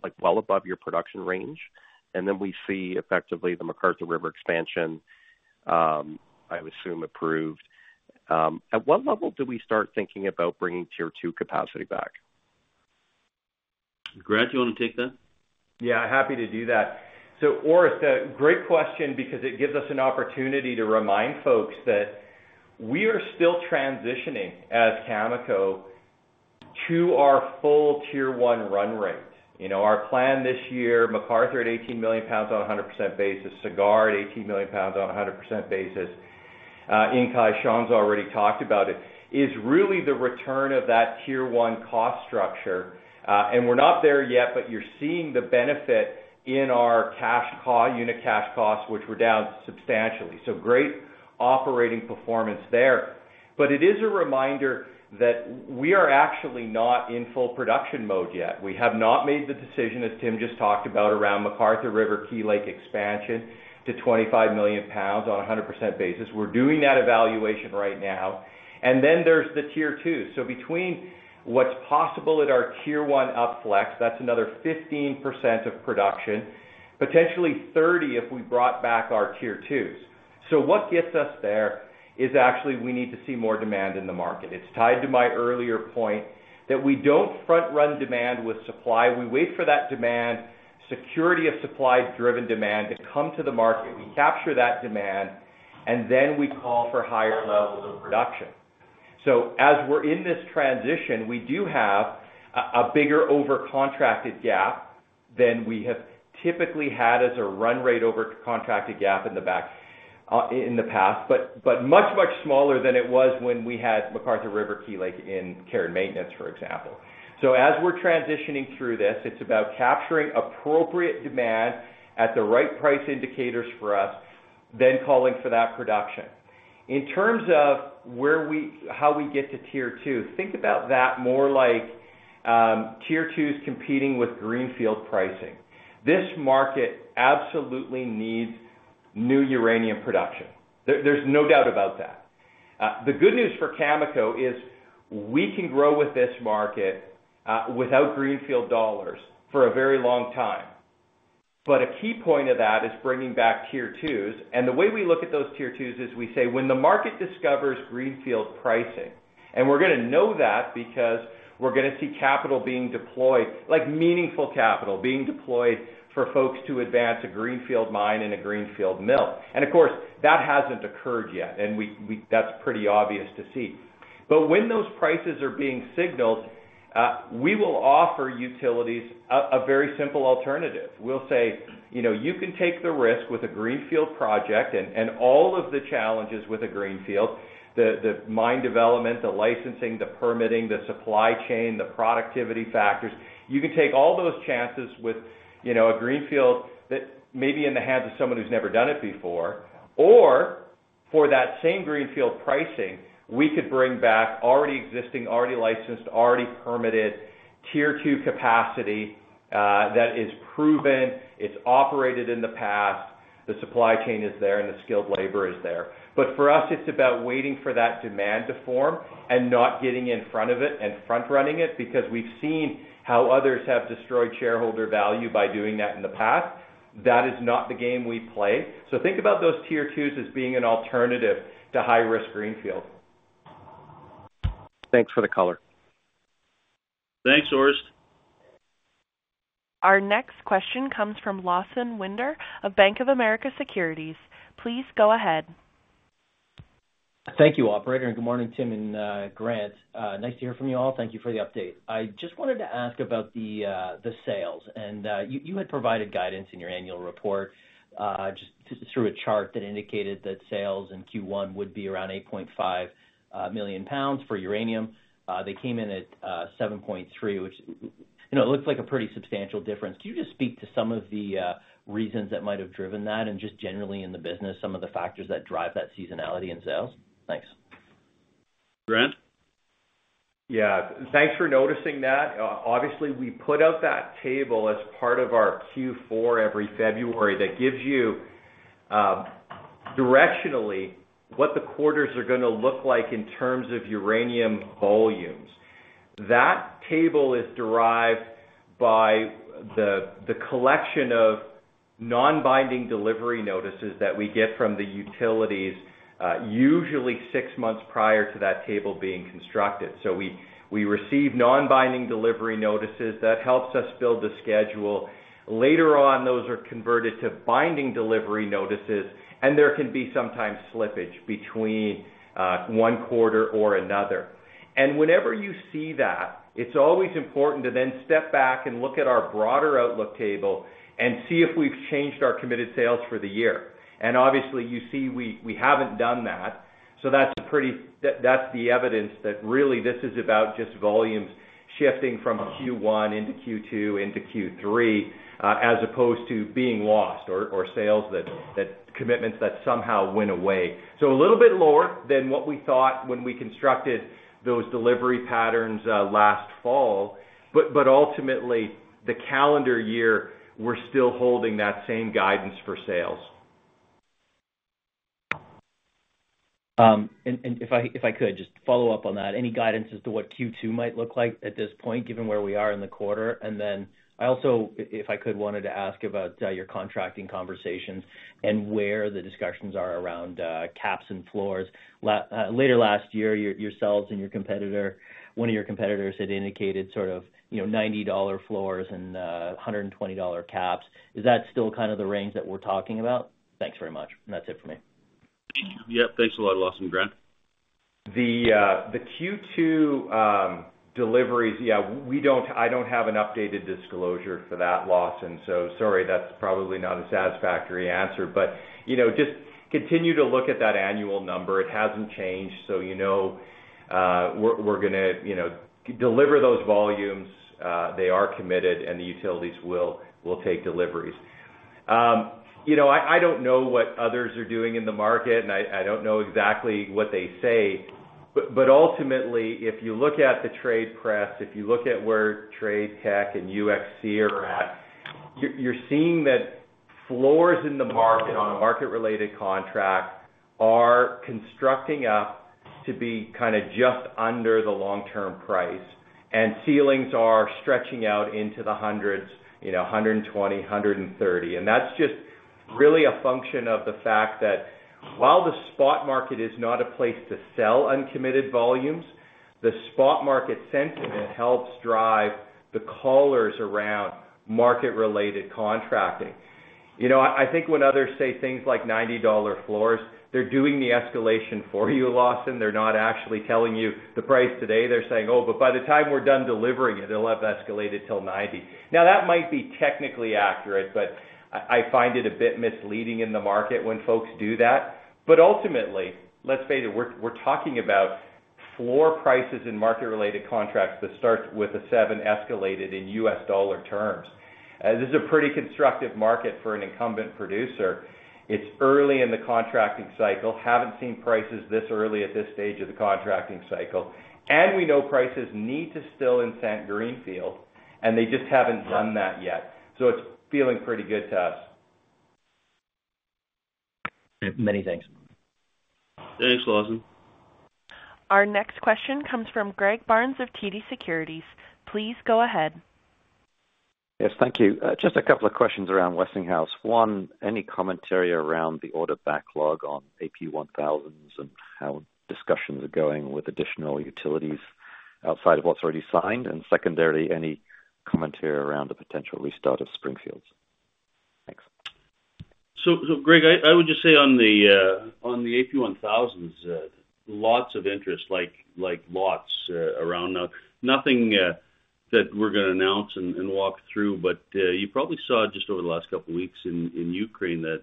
like, well above your production range, and then we see effectively the McArthur River expansion, I would assume, approved? At what level do we start thinking about bringing Tier Two capacity back? Grant, do you want to take that? Yeah, happy to do that. So Orest, a great question because it gives us an opportunity to remind folks that we are still transitioning as Cameco to our full Tier One run rate. You know, our plan this year, McArthur, at 18 million pounds on a 100% basis, Cigar at 18 million pounds on a 100% basis. Inkai, Sean's already talked about it, is really the return of that Tier One cost structure. And we're not there yet, but you're seeing the benefit in our cash cost unit cash costs, which were down substantially. So great operating performance there. But it is a reminder that we are actually not in full production mode yet. We have not made the decision, as Tim just talked about, around McArthur River/Key Lake expansion to 25 million pounds on a 100% basis. We're doing that evaluation right now. Then there's the Tier Two. So between what's possible at our tier one upflex, that's another 15% of production, potentially 30, if we brought back our Tier Twos. So what gets us there is actually we need to see more demand in the market. It's tied to my earlier point that we don't front-run demand with supply. We wait for that demand, security of supply-driven demand, to come to the market. We capture that demand, and then we call for higher levels of production. So as we're in this transition, we do have a bigger over-contracted gap than we have typically had as a run rate over contracted gap in the back, in the past, but, but much, much smaller than it was when we had McArthur River/Key Lake in care and maintenance, for example. So as we're transitioning through this, it's about capturing appropriate demand at the right price indicators for us, then calling for that production. In terms of where we how we get to Tier Two, think about that more like, Tier Two is competing with greenfield pricing. This market absolutely needs new uranium production. There's no doubt about that. The good news for Cameco is we can grow with this market, without greenfield dollars for a very long time. But a key point of that is bringing back Tier Twos, and the way we look at those Tier Twos is we say, when the market discovers greenfield pricing, and we're going to know that because we're going to see capital being deployed, like meaningful capital being deployed for folks to advance a greenfield mine and a greenfield mill. Of course, that hasn't occurred yet, and that's pretty obvious to see. But when those prices are being signaled, we will offer utilities a very simple alternative. We'll say, "You know, you can take the risk with a greenfield project and all of the challenges with a greenfield, the mine development, the licensing, the permitting, the supply chain, the productivity factors. You can take all those chances with, you know, a greenfield that may be in the hands of someone who's never done it before, or for that same greenfield pricing, we could bring back already existing, already licensed, already permitted Tier Two capacity, that is proven, it's operated in the past, the supply chain is there, and the skilled labor is there." But for us, it's about waiting for that demand to form and not getting in front of it and front-running it, because we've seen how others have destroyed shareholder value by doing that in the past. That is not the game we play. So think about those Tier Twos as being an alternative to high-risk greenfield. ... Thanks for the color. Thanks, Orest. Our next question comes from Lawson Winder of Bank of America Securities. Please go ahead. Thank you, operator, and good morning, Tim and Grant. Nice to hear from you all. Thank you for the update. I just wanted to ask about the sales. And you had provided guidance in your annual report, just through a chart that indicated that sales in Q1 would be around 8.5 million pounds for uranium. They came in at 7.3, which, you know, looks like a pretty substantial difference. Can you just speak to some of the reasons that might have driven that and just generally in the business, some of the factors that drive that seasonality in sales? Thanks. Grant? Yeah, thanks for noticing that. Obviously, we put out that table as part of our Q4 every February that gives you directionally what the quarters are going to look like in terms of uranium volumes. That table is derived by the collection of non-binding delivery notices that we get from the utilities, usually six months prior to that table being constructed. So we receive non-binding delivery notices. That helps us build the schedule. Later on, those are converted to binding delivery notices, and there can be sometimes slippage between one quarter or another. And whenever you see that, it's always important to then step back and look at our broader outlook table and see if we've changed our committed sales for the year. And obviously, you see we haven't done that. So that's the evidence that really this is about just volumes shifting from Q1 into Q2 into Q3, as opposed to being lost or sales that commitments that somehow went away. A little bit lower than what we thought when we constructed those delivery patterns last fall. But ultimately, the calendar year, we're still holding that same guidance for sales. And if I could just follow up on that, any guidance as to what Q2 might look like at this point, given where we are in the quarter? And then I also, if I could, wanted to ask about your contracting conversations and where the discussions are around caps and floors. Later last year, yourselves and your competitor, one of your competitors had indicated sort of, you know, $90-dollar floors and $120-dollar caps. Is that still kind of the range that we're talking about? Thanks very much. And that's it for me. Yeah, thanks a lot, Lawson. Grant? The Q2 deliveries, yeah, we don't, I don't have an updated disclosure for that, Lawson. So sorry, that's probably not a satisfactory answer, but, you know, just continue to look at that annual number. It hasn't changed, so you know, we're, we're going to, you know, deliver those volumes. They are committed, and the utilities will, will take deliveries. You know, I, I don't know what others are doing in the market, and I, I don't know exactly what they say. But, but ultimately, if you look at the trade press, if you look at where TradeTech and UxC are at, you're, you're seeing that floors in the market on a market-related contract are constructing up to be kind of just under the long-term price, and ceilings are stretching out into the hundreds, you know, $120, $130. And that's just really a function of the fact that while the spot market is not a place to sell uncommitted volumes, the spot market sentiment helps drive the collars around market-related contracting. You know, I, I think when others say things like $90 floors, they're doing the escalation for you, Lawson. They're not actually telling you the price today. They're saying, "Oh, but by the time we're done delivering it, it'll have escalated till $90." Now, that might be technically accurate, but I, I find it a bit misleading in the market when folks do that. But ultimately, let's face it, we're, we're talking about floor prices in market-related contracts that start with a $7 escalated in U.S. dollar terms. This is a pretty constructive market for an incumbent producer. It's early in the contracting cycle, haven't seen prices this early at this stage of the contracting cycle, and we know prices need to still incent greenfield, and they just haven't done that yet. So it's feeling pretty good to us. Many thanks. Thanks, Lawson. Our next question comes from Greg Barnes of TD Securities. Please go ahead. Yes, thank you. Just a couple of questions around Westinghouse. One, any commentary around the order backlog on AP1000s and how discussions are going with additional utilities outside of what's already signed? And secondarily, any commentary around the potential restart of Springfields? Thanks. So, Greg, I would just say on the AP1000s, lots of interest, like, lots around. Now, nothing that we're going to announce and walk through, but you probably saw just over the last couple of weeks in Ukraine that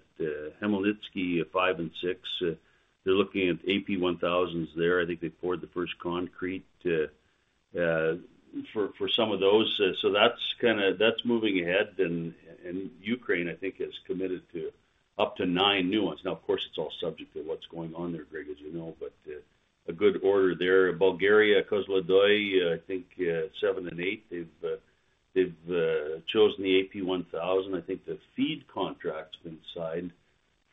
Khmelnytskyi 5 and 6, they're looking at AP1000s there. I think they poured the first concrete for some of those. So that's kind of, that's moving ahead, and Ukraine, I think, has committed to up to nine new ones. Now, of course, it's all subject to what's going on there, Greg, as you know, but a good order there. Bulgaria Kozloduy, I think, seven and eight, they've chosen the AP1000. I think the FEED contract's been signed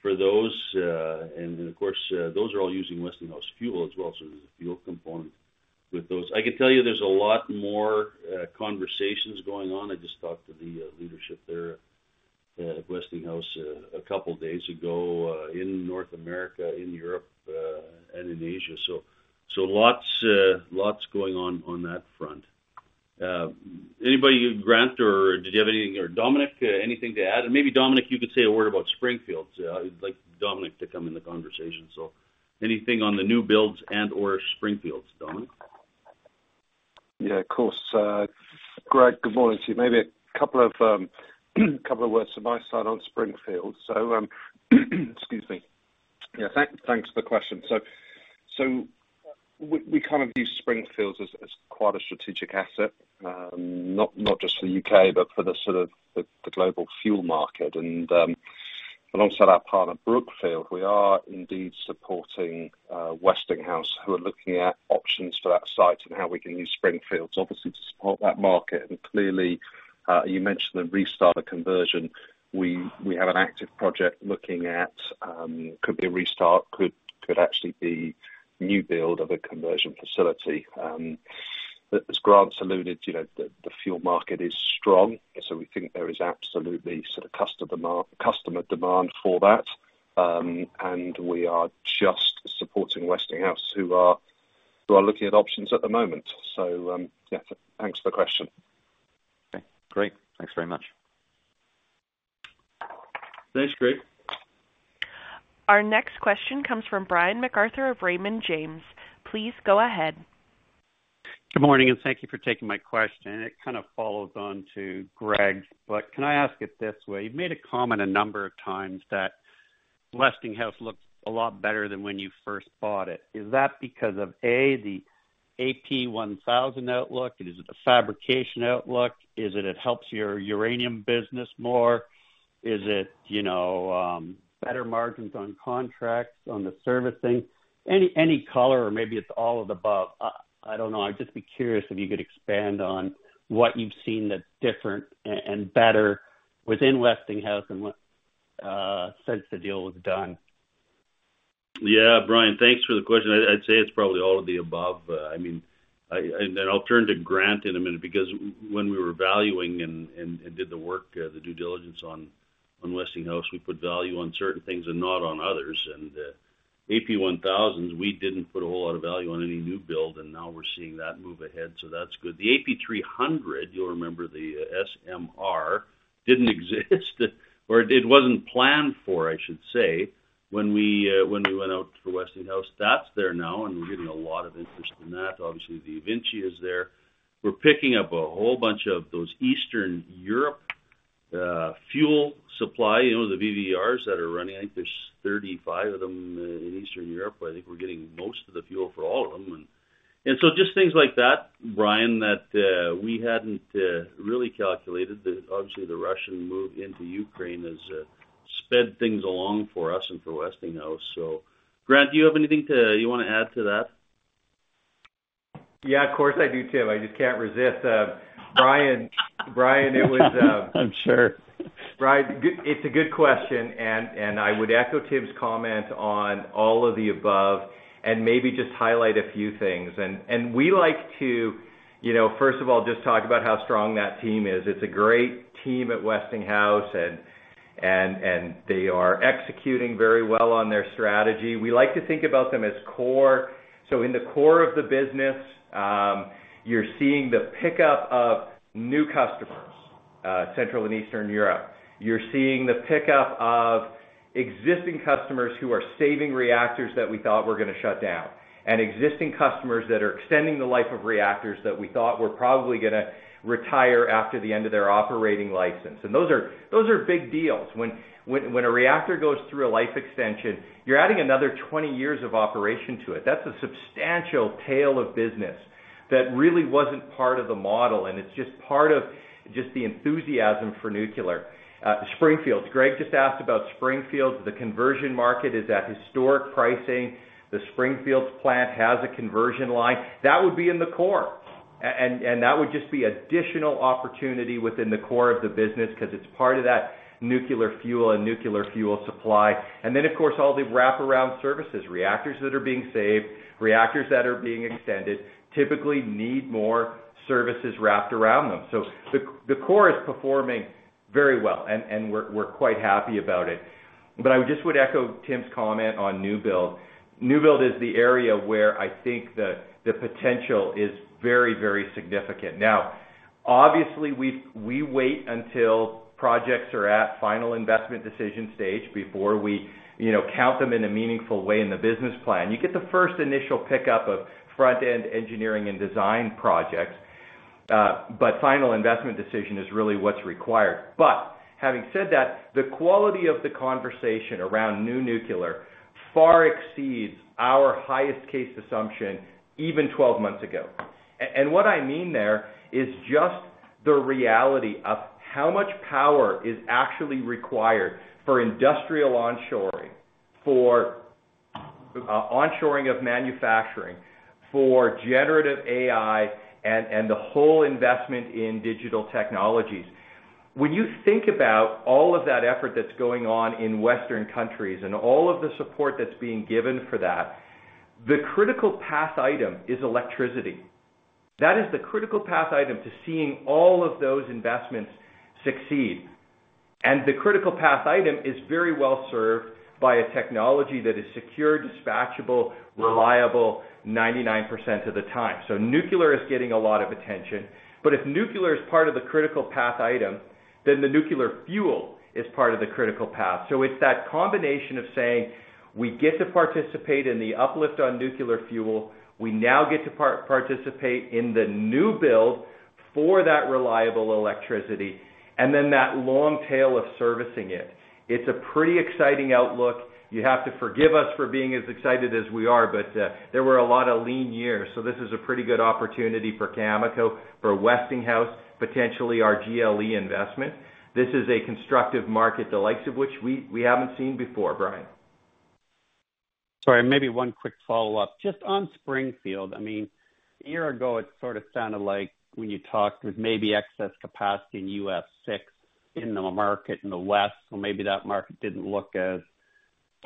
for those, and then, of course, those are all using Westinghouse fuel as well, so there's a fuel component with those. I can tell you there's a lot more conversations going on. I just talked to the leadership there at Westinghouse a couple days ago in North America, in Europe, and in Asia. So lots going on on that front. Anybody, Grant, or did you have anything or Dominic, anything to add? And maybe Dominic, you could say a word about Springfields. So I'd like Dominic to come in the conversation. So anything on the new builds and or Springfields, Dominic? Yeah, of course. Greg, good morning to you. Maybe a couple of, couple of words from my side on Springfields. So, excuse me. Yeah, thanks for the question. So, so we, we kind of view Springfields as, as quite a strategic asset, not, not just for the U.K., but for the sort of the, the global fuel market. And, alongside our partner, Brookfield, we are indeed supporting, Westinghouse, who are looking at options for that site and how we can use Springfields, obviously, to support that market. And clearly, you mentioned the restart, the conversion. We, we have an active project looking at, could be a restart, could, could actually be new build of a conversion facility. But as Grant alluded, you know, the fuel market is strong, so we think there is absolutely sort of customer demand for that. And we are just supporting Westinghouse, who are looking at options at the moment. So, yeah, thanks for the question. Okay, great. Thanks very much. Thanks, Greg. Our next question comes from Brian MacArthur of Raymond James. Please go ahead. Good morning, and thank you for taking my question. It kind of follows on to Greg, but can I ask it this way? You've made a comment a number of times that Westinghouse looks a lot better than when you first bought it. Is that because of, A, the AP1000 outlook? Is it the fabrication outlook? Is it, it helps your uranium business more? Is it, you know, better margins on contracts, on the servicing? Any, any color, or maybe it's all of the above. I don't know. I'd just be curious if you could expand on what you've seen that's different and better within Westinghouse and what since the deal was done. Yeah, Brian, thanks for the question. I'd say it's probably all of the above. I mean, and then I'll turn to Grant in a minute, because when we were valuing and did the work, the due diligence on Westinghouse, we put value on certain things and not on others. And, AP1000s, we didn't put a whole lot of value on any new build, and now we're seeing that move ahead, so that's good. The AP300, you'll remember the SMR, didn't exist, or it wasn't planned for, I should say, when we went out for Westinghouse. That's there now, and we're getting a lot of interest in that. Obviously, the eVinci is there. We're picking up a whole bunch of those Eastern Europe fuel supply, you know, the VVERs that are running. I think there's 35 of them in Eastern Europe, but I think we're getting most of the fuel for all of them. And so just things like that, Brian, that we hadn't really calculated. Obviously, the Russian move into Ukraine has sped things along for us and for Westinghouse. So Grant, do you have anything to, you wanna add to that? Yeah, of course I do, Tim. I just can't resist. Brian, Brian, it was- I'm sure. Brian, good, it's a good question, and I would echo Tim's comment on all of the above, and maybe just highlight a few things. We like to, you know, first of all, just talk about how strong that team is. It's a great team at Westinghouse, and they are executing very well on their strategy. We like to think about them as core. So in the core of the business, you're seeing the pickup of new customers, Central and Eastern Europe. You're seeing the pickup of existing customers who are saving reactors that we thought were gonna shut down, and existing customers that are extending the life of reactors that we thought were probably gonna retire after the end of their operating license. And those are big deals. When a reactor goes through a life extension, you're adding another 20 years of operation to it. That's a substantial tail of business that really wasn't part of the model, and it's just part of the enthusiasm for nuclear. Springfields. Greg just asked about Springfields. The conversion market is at historic pricing. The Springfields plant has a conversion line. That would be in the core, and that would just be additional opportunity within the core of the business because it's part of that nuclear fuel and nuclear fuel supply. And then, of course, all the wraparound services, reactors that are being saved, reactors that are being extended, typically need more services wrapped around them. So the core is performing very well, and we're quite happy about it. But I just would echo Tim's comment on new build. New build is the area where I think the potential is very, very significant. Now, obviously, we wait until projects are at final investment decision stage before we, you know, count them in a meaningful way in the business plan. You get the first initial pickup of front-end engineering and design projects, but final investment decision is really what's required. But having said that, the quality of the conversation around new nuclear far exceeds our highest case assumption, even 12 months ago. And what I mean there is just the reality of how much power is actually required for industrial onshoring, for onshoring of manufacturing, for generative AI and the whole investment in digital technologies. When you think about all of that effort that's going on in Western countries and all of the support that's being given for that, the critical path item is electricity. That is the critical path item to seeing all of those investments succeed. The critical path item is very well served by a technology that is secure, dispatchable, reliable 99% of the time. Nuclear is getting a lot of attention, but if nuclear is part of the critical path item, then the nuclear fuel is part of the critical path. It's that combination of saying, we get to participate in the uplift on nuclear fuel. We now get to participate in the new build for that reliable electricity, and then that long tail of servicing it. It's a pretty exciting outlook. You have to forgive us for being as excited as we are, but there were a lot of lean years, so this is a pretty good opportunity for Cameco, for Westinghouse, potentially our GLE investment. This is a constructive market, the likes of which we haven't seen before, Brian. Sorry, maybe one quick follow-up. Just on Springfields, I mean, a year ago, it sort of sounded like when you talked, there was maybe excess capacity in UF6 in the market in the West, so maybe that market didn't look as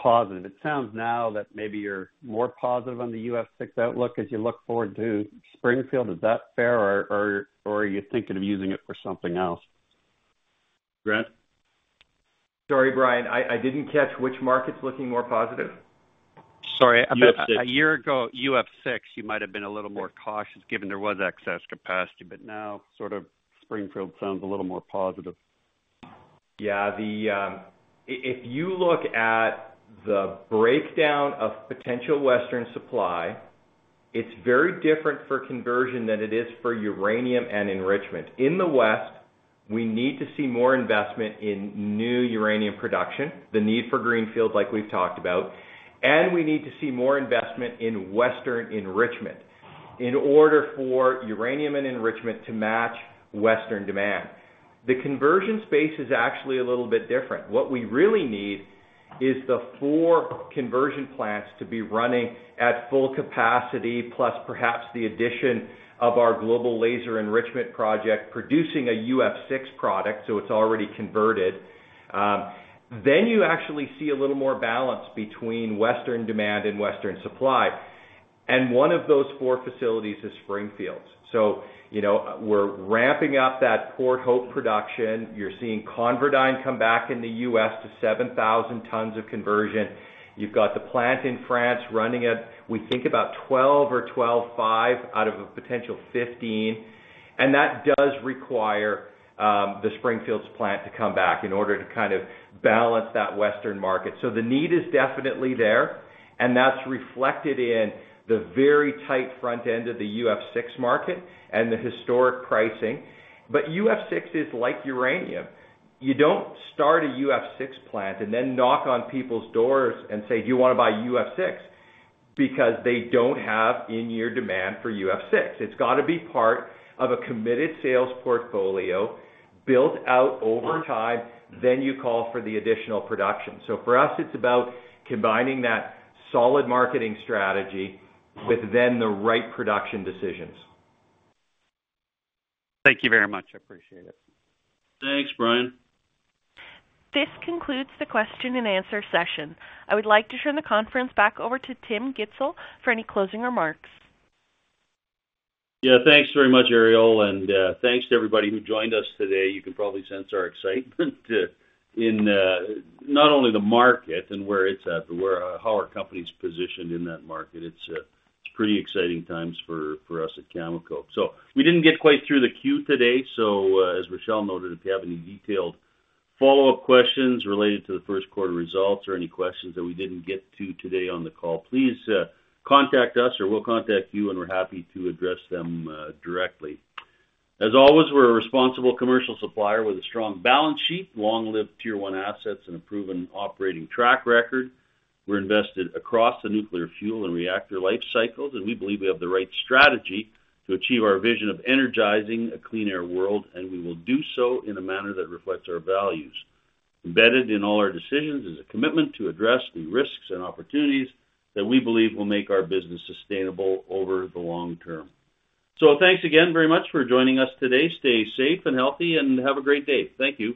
positive. It sounds now that maybe you're more positive on the UF6 outlook as you look forward to Springfields. Is that fair, or are you thinking of using it for something else? Grant? Sorry, Brian, I didn't catch which market's looking more positive. Sorry. UF6. A year ago, UF6, you might have been a little more cautious, given there was excess capacity, but now sort of Springfields sounds a little more positive. Yeah, the, if you look at the breakdown of potential Western supply, it's very different for conversion than it is for uranium and enrichment. In the West, we need to see more investment in new uranium production, the need for greenfield, like we've talked about, and we need to see more investment in Western enrichment in order for uranium and enrichment to match Western demand. The conversion space is actually a little bit different. What we really need is the four conversion plants to be running at full capacity, plus perhaps the addition of our Global Laser Enrichment project, producing a UF6 product, so it's already converted. Then you actually see a little more balance between Western demand and Western supply. And one of those four facilities is Springfields. So, you know, we're ramping up that Port Hope production. You're seeing ConverDyn come back in the US to 7,000 tons of conversion. You've got the plant in France running at, we think, about 12 or 12.5 out of a potential 15, and that does require the Springfields plant to come back in order to kind of balance that Western market. So the need is definitely there, and that's reflected in the very tight front end of the UF6 market and the historic pricing. But UF6 is like uranium. You don't start a UF6 plant and then knock on people's doors and say, "Do you want to buy UF6?" Because they don't have in-year demand for UF6. It's got to be part of a committed sales portfolio, built out over time, then you call for the additional production. So for us, it's about combining that solid marketing strategy with then the right production decisions. Thank you very much. I appreciate it. Thanks, Brian. This concludes the question and answer session. I would like to turn the conference back over to Tim Gitzel for any closing remarks. Yeah, thanks very much, Ariel, and thanks to everybody who joined us today. You can probably sense our excitement, in not only the market and where it's at, but where how our company's positioned in that market. It's it's pretty exciting times for for us at Cameco. So we didn't get quite through the queue today. So, as Rachelle noted, if you have any detailed follow-up questions related to the first quarter results or any questions that we didn't get to today on the call, please contact us or we'll contact you, and we're happy to address them directly. As always, we're a responsible commercial supplier with a strong balance sheet, long-lived Tier One assets and a proven operating track record. We're invested across the nuclear fuel and reactor life cycles, and we believe we have the right strategy to achieve our vision of energizing a clean air world, and we will do so in a manner that reflects our values. Embedded in all our decisions is a commitment to address the risks and opportunities that we believe will make our business sustainable over the long term. So thanks again very much for joining us today. Stay safe and healthy, and have a great day. Thank you.